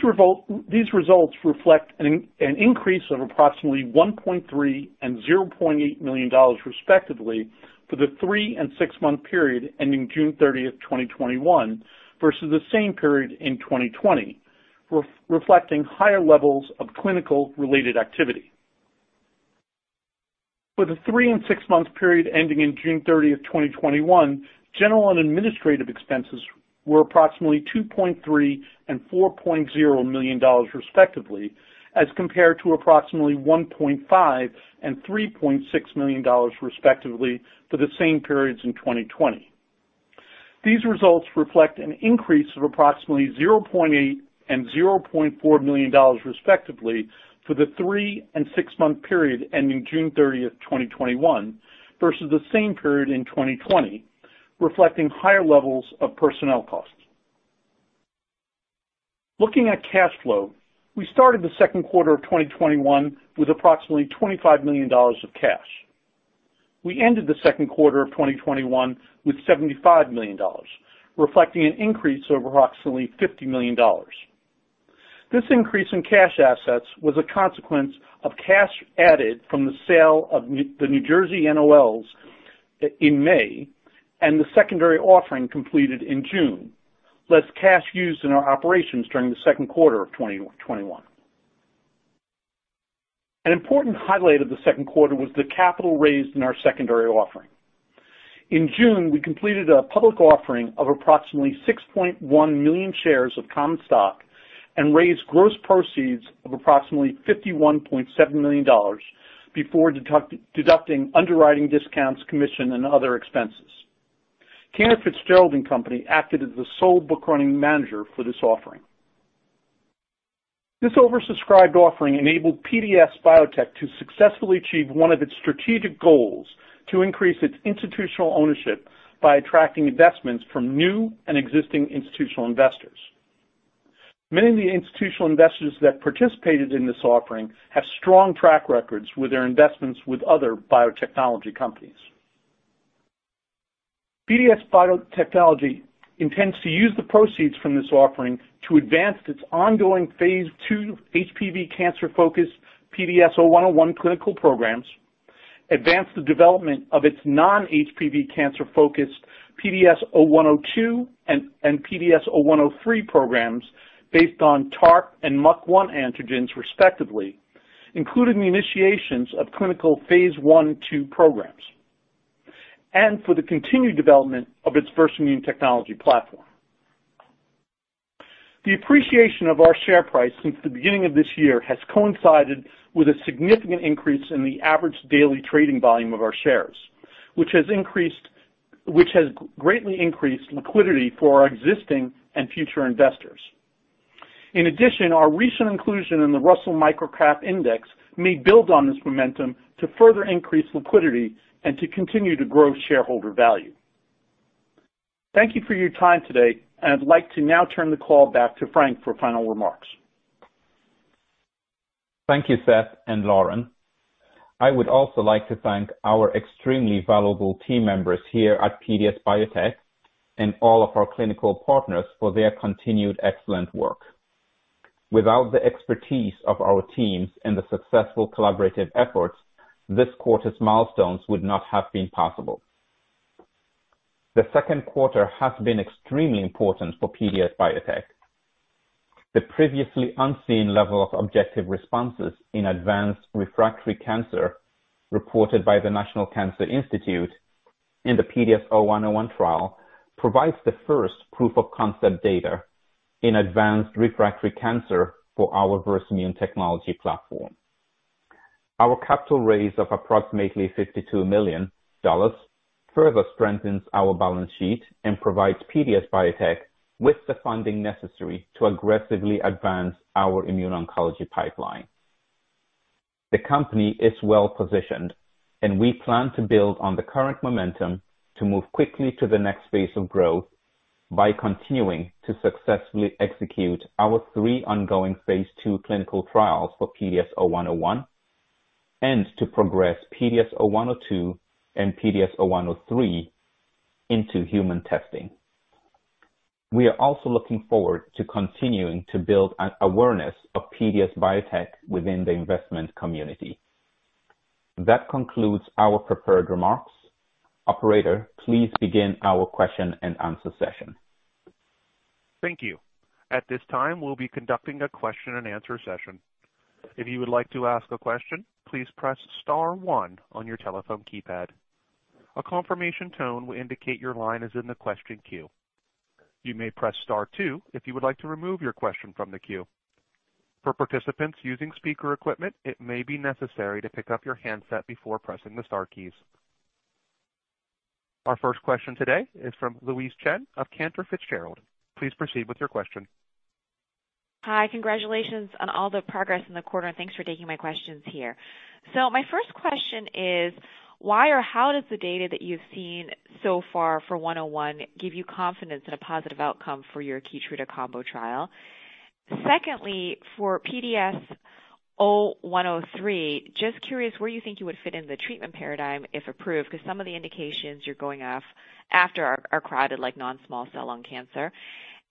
results reflect an increase of approximately $1.3 and $0.8 million respectively for the three and six-moth period ending June 30th, 2021, versus the same period in 2020, reflecting higher levels of clinical related activity. For the three and six-month period ending in June 30th, 2021, general and administrative expenses were approximately $2.3 and $4.0 million respectively, as compared to approximately $1.5 and $3.6 million respectively to the same periods in 2020. These results reflect an increase of approximately $0.8 and $0.4 million respectively for the three and six-month period ending June 30th, 2021, versus the same period in 2020, reflecting higher levels of personnel costs. Looking at cash flow, we started the second quarter of 2021 with approximately $25 million of cash. We ended the second quarter of 2021 with $75 million, reflecting an increase of approximately $50 million. This increase in cash assets was a consequence of cash added from the sale of the New Jersey NOLs in May and the secondary offering completed in June, less cash used in our operations during the second quarter of 2021. An important highlight of the second quarter was the capital raised in our secondary offering. In June, we completed a public offering of approximately 6.1 million shares of common stock and raised gross proceeds of approximately $51.7 million before deducting underwriting discounts, commission, and other expenses. acted as the sole book-running manager for this offering. This oversubscribed offering enabled PDS Biotech to successfully achieve one of its strategic goals to increase its institutional ownership by attracting investments from new and existing institutional investors. Many of the institutional investors that participated in this offering have strong track records with their investments with other biotechnology companies. PDS Biotechnology intends to use the proceeds from this offering to advance its ongoing phase II HPV cancer-focused PDS0101 clinical programs, advance the development of its non-HPV cancer focused PDS0102 and PDS0103 programs based on TARP and MUC1 antigens respectively, including the initiations of clinical phase I,II programs, and for the continued development of its first immune technology platform. The appreciation of our share price since the beginning of this year has coincided with a significant increase in the average daily trading volume of our shares, which has greatly increased liquidity for our existing and future investors. In addition, our recent inclusion in the Russell Microcap Index may build on this momentum to further increase liquidity and to continue to grow shareholder value. Thank you for your time today, and I'd like to now turn the call back to Frank for final remarks. Thank you, Seth and Lauren. I would also like to thank our extremely valuable team members here at PDS Biotech and all of our clinical partners for their continued excellent work. Without the expertise of our teams and the successful collaborative efforts, this quarter's milestones would not have been possible. The second quarter has been extremely important for PDS Biotech. The previously unseen level of objective responses in advanced refractory cancer reported by the National Cancer Institute in the PDS0101 trial provides the first proof of concept data in advanced refractory cancer for our Versamune technology platform. Our capital raise of approximately $52 million further strengthens our balance sheet and provides PDS Biotech with the funding necessary to aggressively advance our immune oncology pipeline. The company is well-positioned, and we plan to build on the current momentum to move quickly to the next phase of growth by continuing to successfully execute our three ongoing phase II clinical trials for PDS0101, and to progress PDS0102 and PDS0103 into human testing. We are also looking forward to continuing to build an awareness of PDS Biotech within the investment community. That concludes our prepared remarks. Operator, please begin our question and answer session. Thank you. At this time, we'll be conducting a question and answer session. If you would like to ask a question, please press star one on your telephone keypad. A confirmation tone will indicate your line is in the question queue. You may press star, two if you would like to remove your question from the queue. For participants using speaker equipment, it may be necessary to pick up your handset before pressing the star keys. Our first question today is from Louise Chen of Cantor Fitzgerald. Please proceed with your question. Hi, congratulations on all the progress in the quarter. Thanks for taking my questions here. My first question is, why or how does the data that you've seen so far for PDS0101 give you confidence in a positive outcome for your KEYTRUDA combo trial? Secondly, for PDS0103, just curious where you think you would fit in the treatment paradigm if approved, because some of the indications you're going after are crowded, like non-small cell lung cancer.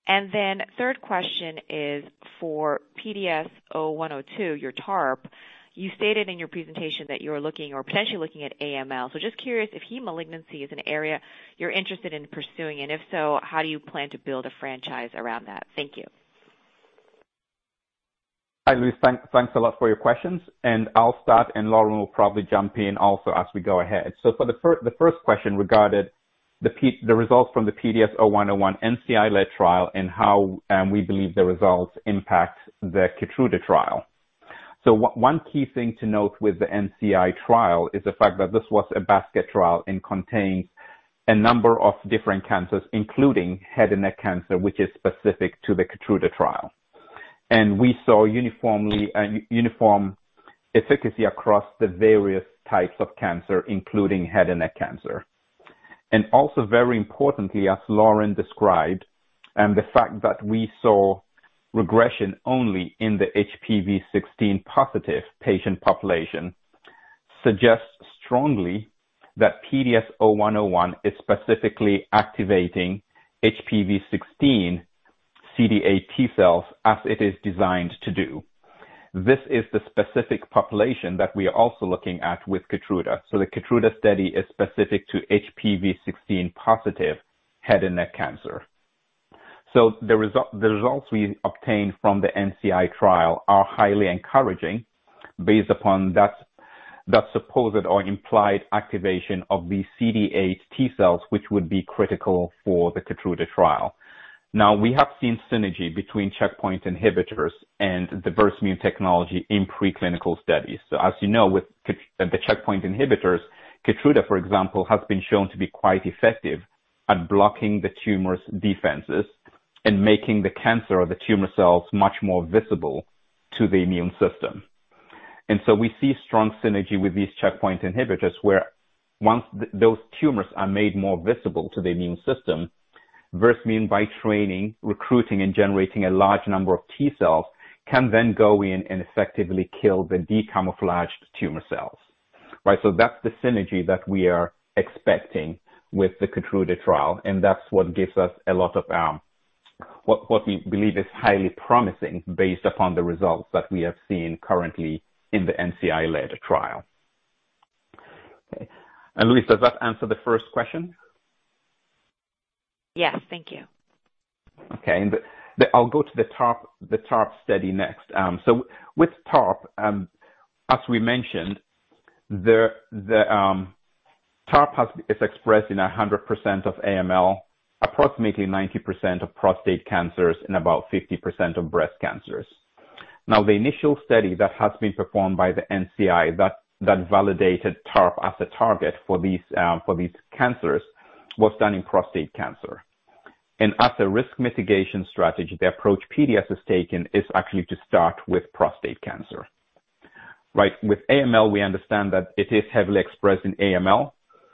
Third question is for PDS0102, your TARP, you stated in your presentation that you are looking or potentially looking at AML. Just curious if heme malignancy is an area you're interested in pursuing. If so, how do you plan to build a franchise around that? Thank you. Hi, Louise. Thanks a lot for your questions, and I'll start, and Lauren will probably jump in also as we go ahead. For the first question regarded the results from the PDS0101 NCI-led trial and how we believe the results impact the KEYTRUDA trial. One key thing to note with NCI trial is that the fact that this was a basket trial in containing a number of different cancers including head and neck cancer which is specific to KEYTRUDA trial , we saw uniform efficacy across the various types of cancer, including head and neck cancer. Also very importantly, as Lauren described, the fact that we saw regression only in the HPV16-positive patient population suggests strongly that PDS0101 is specifically activating HPV16 CD8 T-cells as it is designed to do. This is the specific population that we are also looking at with KEYTRUDA. The KEYTRUDA study is specific to HPV16-positive head and neck cancer. The results we obtained from the NCI trial are highly encouraging based upon that supposed or implied activation of the CD8 T-cells, which would be critical for the KEYTRUDA trial. We have seen synergy between checkpoint inhibitors and the Versamune technology in preclinical studies. As you know, with the checkpoint inhibitors, KEYTRUDA, for example, has been shown to be quite effective at blocking the tumor's defenses and making the cancer or the tumor cells much more visible to the immune system. We see strong synergy with these checkpoint inhibitors, where once those tumors are made more visible to the immune system, Versamune, by training, recruiting, and generating a large number of T-cells, can then go in and effectively kill the de-camouflaged tumor cells. Right? That's the synergy that we are expecting with the KEYTRUDA trial, and that's what gives us a lot of what we believe is highly promising based upon the results that we have seen currently in the NCI-led trial. Okay, Louise, does that answer the first question? Yes. Thank you. Okay. I'll go to the TARP study next. With TARP, as we mentioned, TARP is expressed in 100% of AML, approximately 90% of prostate cancers, and about 50% of breast cancers. Now, the initial study that has been performed by the NCI that validated TARP as a target for these cancers was done in prostate cancer. As a risk mitigation strategy, the approach PDS has taken is actually to start with prostate cancer. Right? With AML, we understand that it is heavily expressed in AML,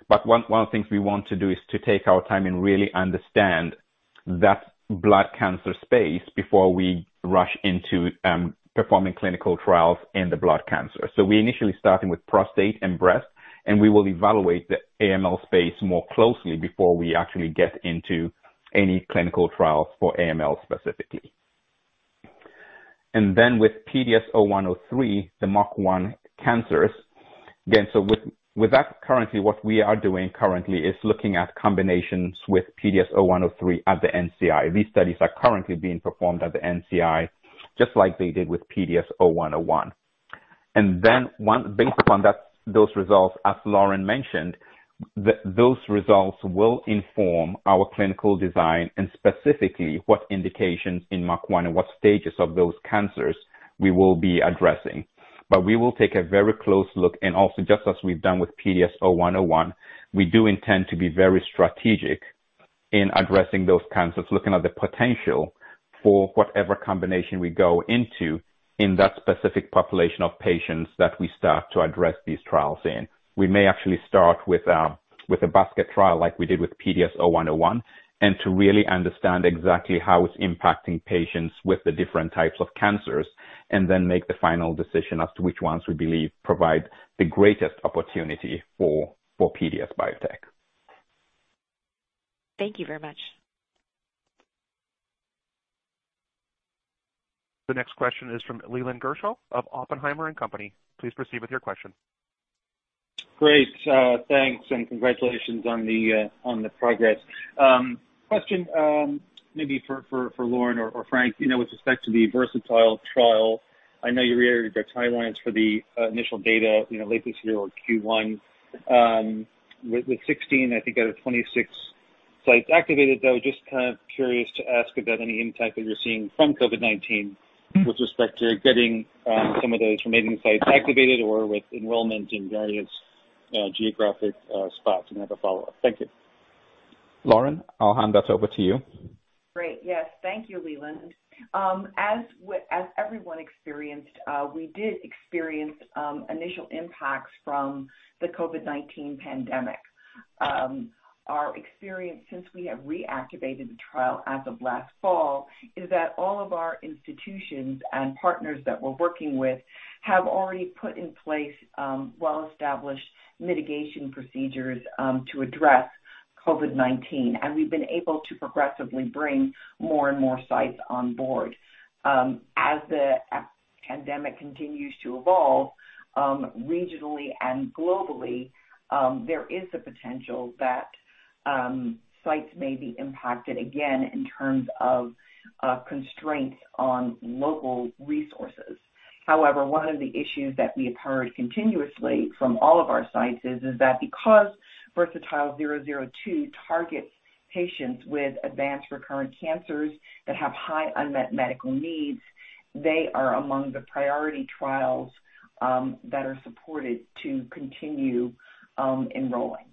but one of the things we want to do is to take our time and really understand that blood cancer space before we rush into performing clinical trials in the blood cancer. We're initially starting with prostate and breast, and we will evaluate the AML space more closely before we actually get into any clinical trials for AML specifically. With PDS0103, the MUC1 cancers. With that, currently what we are doing is looking at combinations with PDS0103 at the NCI. These studies are currently being performed at the NCI, just like they did with PDS0101. Based upon those results, as Lauren mentioned, those results will inform our clinical design and specifically what indications in MUC1 and what stages of those cancers we will be addressing. We will take a very close look, and also just as we've done with PDS0101, we do intend to be very strategic in addressing those cancers, looking at the potential for whatever combination we go into in that specific population of patients that we start to address these trials in. We may actually start with a basket trial, like we did with PDS0101, and to really understand exactly how it's impacting patients with the different types of cancers, and then make the final decision as to which ones we believe provide the greatest opportunity for PDS Biotech. Thank you very much. The next question is from Leland Gershell of Oppenheimer Company. Please proceed with your question. Great. Thanks. Congratulations on the progress. Question maybe for Lauren or Frank. With respect to the VERSATILE trial, I know you reiterated the timelines for the initial data, late this year or Q1. With 16, I think, out of 26 sites activated, though, just curious to ask about any impact that you're seeing from COVID-19 with respect to getting some of those remaining sites activated or with enrollment in various geographic spots. I have a follow-up. Thank you. Lauren, I'll hand that over to you. Great. Yes. Thank you, Leland. As everyone experienced, we did experience initial impacts from the COVID-19 pandemic. Our experience, since we have reactivated the trial as of last fall, is that all of our institutions and partners that we're working with have already put in place well-established mitigation procedures to address COVID-19, and we've been able to progressively bring more and more sites on board. As the pandemic continues to evolve regionally and globally, there is a potential that sites may be impacted again in terms of constraints on local resources. However, one of the issues that we have heard continuously from all of our sites is that because VERSATILE-002 targets patients with advanced recurrent cancers that have high unmet medical needs, they are among the priority trials that are supported to continue enrolling.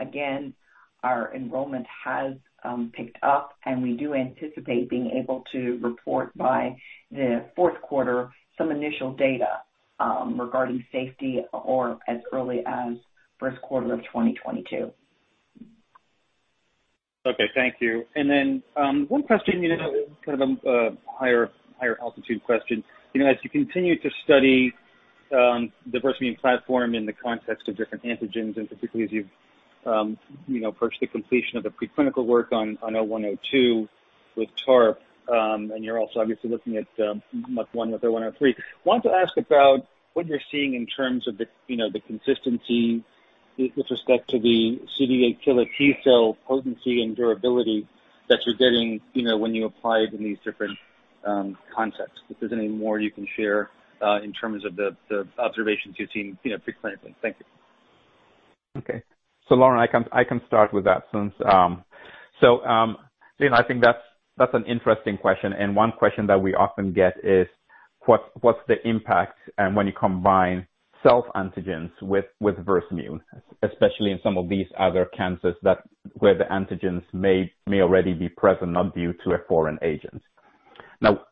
Again, our enrollment has picked up, and we do anticipate being able to report by the fourth quarter some initial data regarding safety or as early as first quarter of 2022. Okay, thank you. One question, kind of a higher altitude question. As you continue to study the Versamune platform in the context of different antigens, and particularly as you approach the completion of the preclinical work on PDS0102 with TARP, and you're also obviously looking at MUC1 with PDS0103, I wanted to ask about what you're seeing in terms of the consistency with respect to the CD8 killer T-cell potency and durability that you're getting when you apply it in these different contexts, if there's any more you can share in terms of the observations you've seen preclinically. Thank you. Lauren, I can start with that. Leland, I think that's an interesting question, and one question that we often get is what's the impact and when you combine self-antigens with Versamune, especially in some of these other cancers where the antigens may already be present not due to a foreign agent.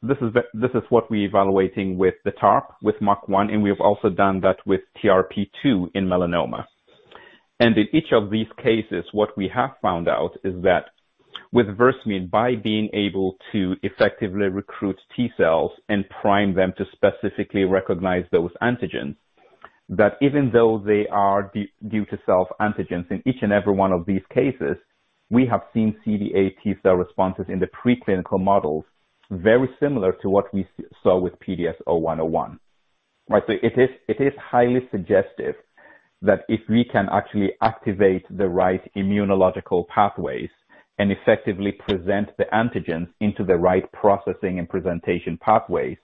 This is what we're evaluating with the TARP, with MUC1, and we have also done that with TRP2 in melanoma. In each of these cases, what we have found out is that with Versamune, by being able to effectively recruit T-cells and prime them to specifically recognize those antigens, that even though they are due to self-antigens in each and every one of these cases, we have seen CD8 T-cell responses in the preclinical models very similar to what we saw with PDS0101, right? It is highly suggestive that if we can actually activate the right immunological pathways and effectively present the antigens into the right processing and presentation pathways,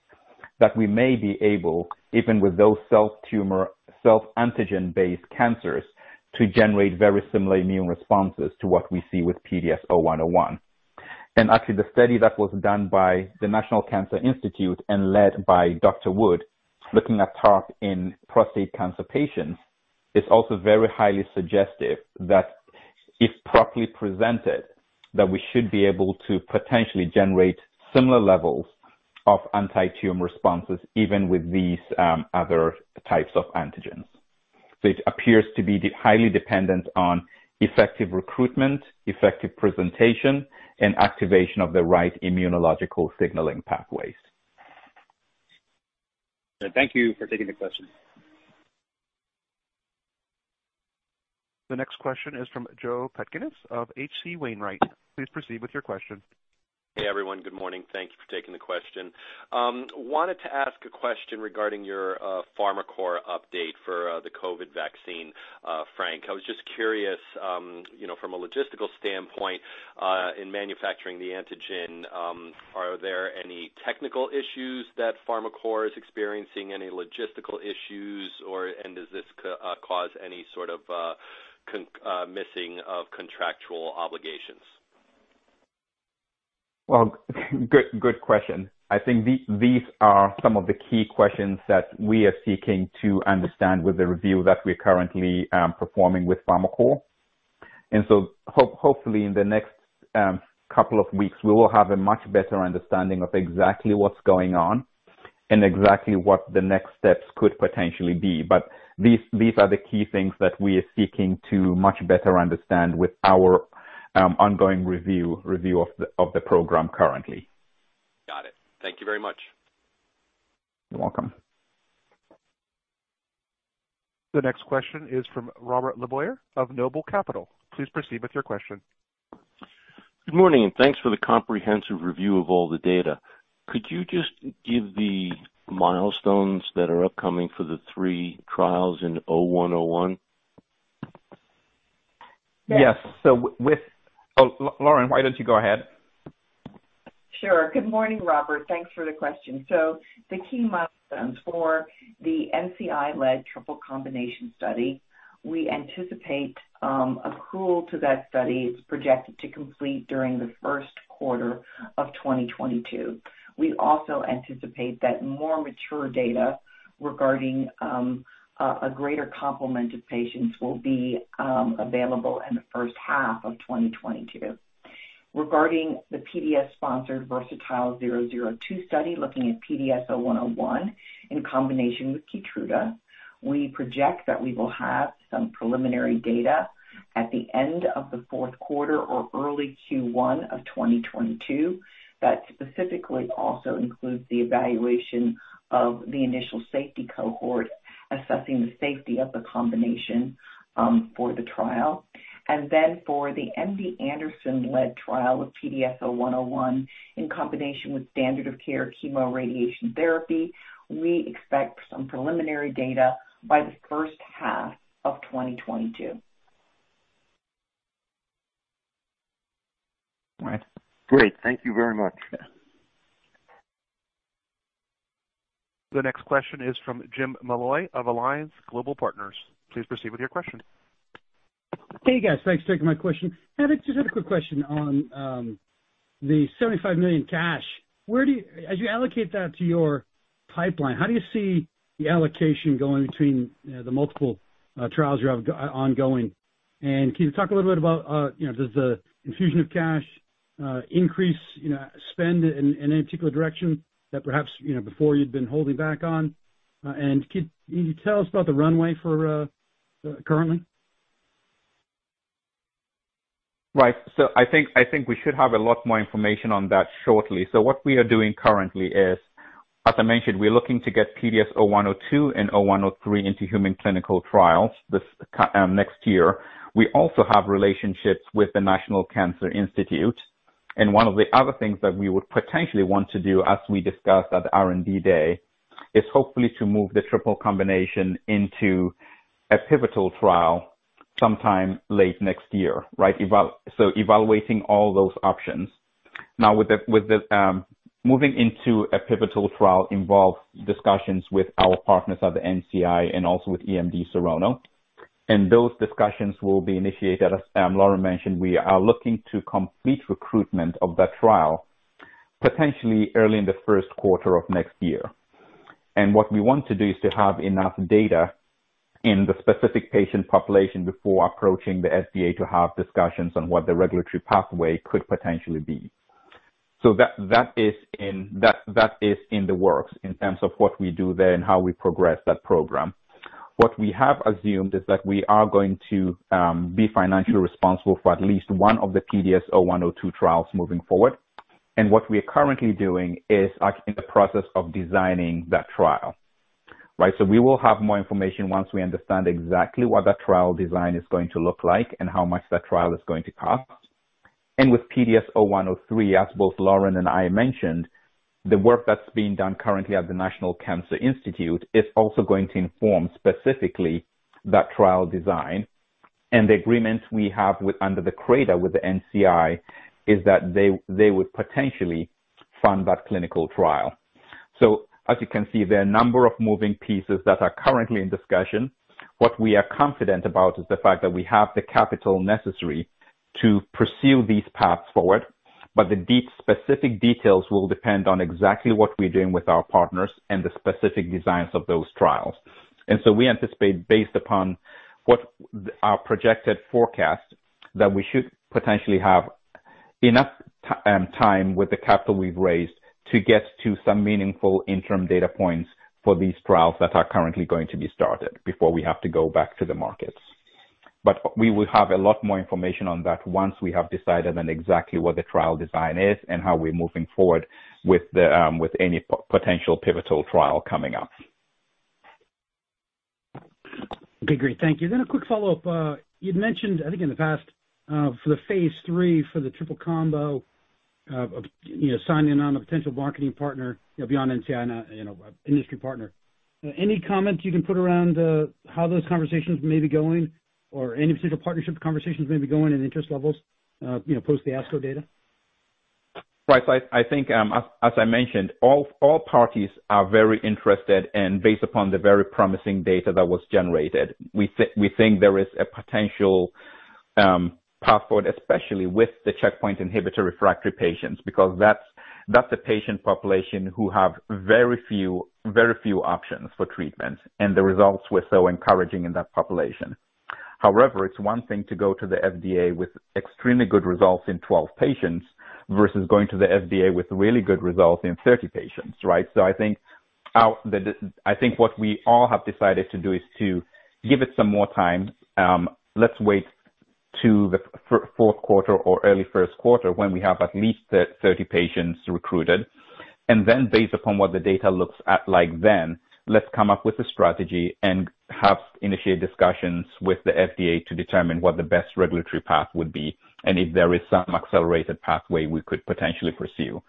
that we may be able, even with those self-tumor, self-antigen-based cancers, to generate very similar immune responses to what we see with PDS0101. The study that was done by the National Cancer Institute and led by Dr. Wood, looking at TARP in prostate cancer patients, is also very highly suggestive that if properly presented, that we should be able to potentially generate similar levels of anti-tumor responses, even with these other types of antigens. It appears to be highly dependent on effective recruitment, effective presentation, and activation of the right immunological signaling pathways. Thank you for taking the question. The next question is from Joe Pantginis of H.C. Wainwright. Please proceed with your question. Hey, everyone. Good morning. Thank you for taking the question. I wanted to ask a question regarding your Farmacore update for the COVID-19 vaccine, Frank. I was just curious, from a logistical standpoint, in manufacturing the antigen, are there any technical issues that Farmacore is experiencing, any logistical issues, and does this cause any sort of missing of contractual obligations? Good question. I think these are some of the key questions that we are seeking to understand with the review that we're currently performing with Farmacore. Hopefully in the next couple of weeks, we will have a much better understanding of exactly what's going on and exactly what the next steps could potentially be. These are the key things that we are seeking to much better understand with our ongoing review of the program currently. Got it. Thank you very much. You're welcome. The next question is from Robert LeBoyer of Noble Capital. Please proceed with your question. Good morning. Thanks for the comprehensive review of all the data. Could you just give the milestones that are upcoming for the three trials in PDS0101? Yes. Lauren, why don't you go ahead? Sure. Good morning, Robert. Thanks for the question. The key milestones for the NCI-led triple combination study, we anticipate approval to that study is projected to complete during the first quarter of 2022. We also anticipate that more mature data regarding a greater complement of patients will be available in the first half of 2022. Regarding the PDS-sponsored VERSATILE-002 study, looking at PDS0101 in combination with KEYTRUDA, we project that we will have some preliminary data at the end of the fourth quarter or early Q1 of 2022. That specifically also includes the evaluation of the initial safety cohort, assessing the safety of the combination for the trial. For the MD Anderson-led trial of PDS0101 in combination with standard of care chemoradiation therapy, we expect some preliminary data by the first half of 2022. Right. Great. Thank you very much. Yeah. The next question is from Jim Molloy of Alliance Global Partners. Please proceed with your question. Hey, guys. Thanks for taking my question. just had a quick question on the $75 million cash. As you allocate that to your pipeline, how do you see the allocation going between the multiple trials you have ongoing? Can you talk a little bit about, does the infusion of cash increase spend in any particular direction that perhaps before you'd been holding back on? Can you tell us about the runway for currently? Right. I think we should have a lot more information on that shortly. What we are doing currently is, as I mentioned, we're looking to get PDS0102 and PDS0103 into human clinical trials next year. We also have relationships with the National Cancer Institute. One of the other things that we would potentially want to do, as we discussed at the R&D Day, is hopefully to move the triple combination into a pivotal trial sometime late next year, right? Evaluating all those options. Now, with the moving into a pivotal trial involve discussions with our partners at the NCI and also with EMD Serono. Those discussions will be initiated, as Lauren mentioned, we are looking to complete recruitment of that trial potentially early in the first quarter of next year. What we want to do is to have enough data in the specific patient population before approaching the FDA to have discussions on what the regulatory pathway could potentially be. That is in the works in terms of what we do there and how we progress that program. What we have assumed is that we are going to be financially responsible for at least one of the PDS0102 trials moving forward. What we are currently doing is in the process of designing that trial. Right? We will have more information once we understand exactly what that trial design is going to look like and how much that trial is going to cost. With PDS0103, as both Lauren and I mentioned, the work that's being done currently at the National Cancer Institute is also going to inform specifically that trial design. The agreement we have under the CRADA with the NCI is that they would potentially fund that clinical trial. As you can see, there are a number of moving pieces that are currently in discussion. What we are confident about is the fact that we have the capital necessary to pursue these paths forward, but the specific details will depend on exactly what we're doing with our partners and the specific designs of those trials. We anticipate, based upon what our projected forecast, that we should potentially have enough time with the capital we've raised to get to some meaningful interim data points for these trials that are currently going to be started before we have to go back to the markets. We will have a lot more information on that once we have decided on exactly what the trial design is and how we're moving forward with any potential pivotal trial coming up. Okay, great. Thank you. A quick follow-up. You'd mentioned, I think in the past, for the phase III for the triple combo, of signing on a potential marketing partner, beyond NCI and a industry partner. Any comments you can put around how those conversations may be going, or any potential partnership conversations may be going and interest levels, post the ASCO data? Right. I think, as I mentioned, all parties are very interested and based upon the very promising data that was generated, we think there is a potential path forward, especially with the checkpoint inhibitor refractory patients, because that's a patient population who have very few options for treatment, and the results were so encouraging in that population. However, it's one thing to go to the FDA with extremely good results in 12 patients versus going to the FDA with really good results in 30 patients, right? I think what we all have decided to do is to give it some more time. Let's wait to the fourth quarter or early first quarter when we have at least 30 patients recruited, and then based upon what the data looks at like then, let's come up with a strategy and initiate discussions with the FDA to determine what the best regulatory path would be, and if there is some accelerated pathway we could potentially pursue.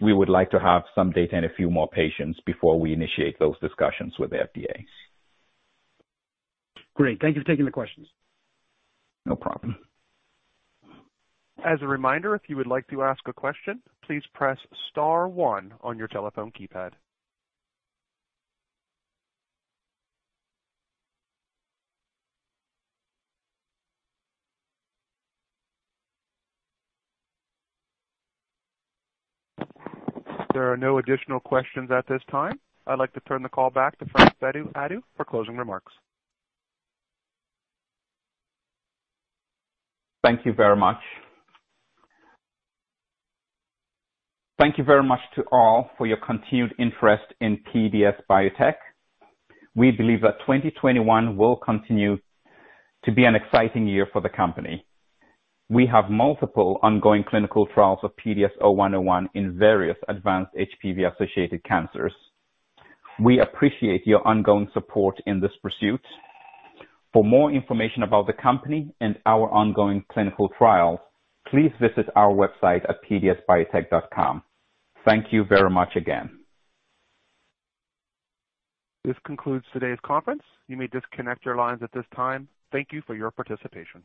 We would like to have some data in a few more patients before we initiate those discussions with the FDA. Great. Thank you for taking the questions. No problem. As a reminder, if you would like to ask a question, please press star, one on your telephone keypad. There are no additional questions at this time. I'd like to turn the call back to Frank Bedu-Addo for closing remarks. Thank you very much. Thank you very much to all for your continued interest in PDS Biotech. We believe that 2021 will continue to be an exciting year for the company. We have multiple ongoing clinical trials of PDS0101 in various advanced HPV-associated cancers. We appreciate your ongoing support in this pursuit. For more information about the company and our ongoing clinical trials, please visit our website at pdsbiotech.com. Thank you very much again. This concludes today's conference. You may disconnect your lines at this time. Thank you for your participation.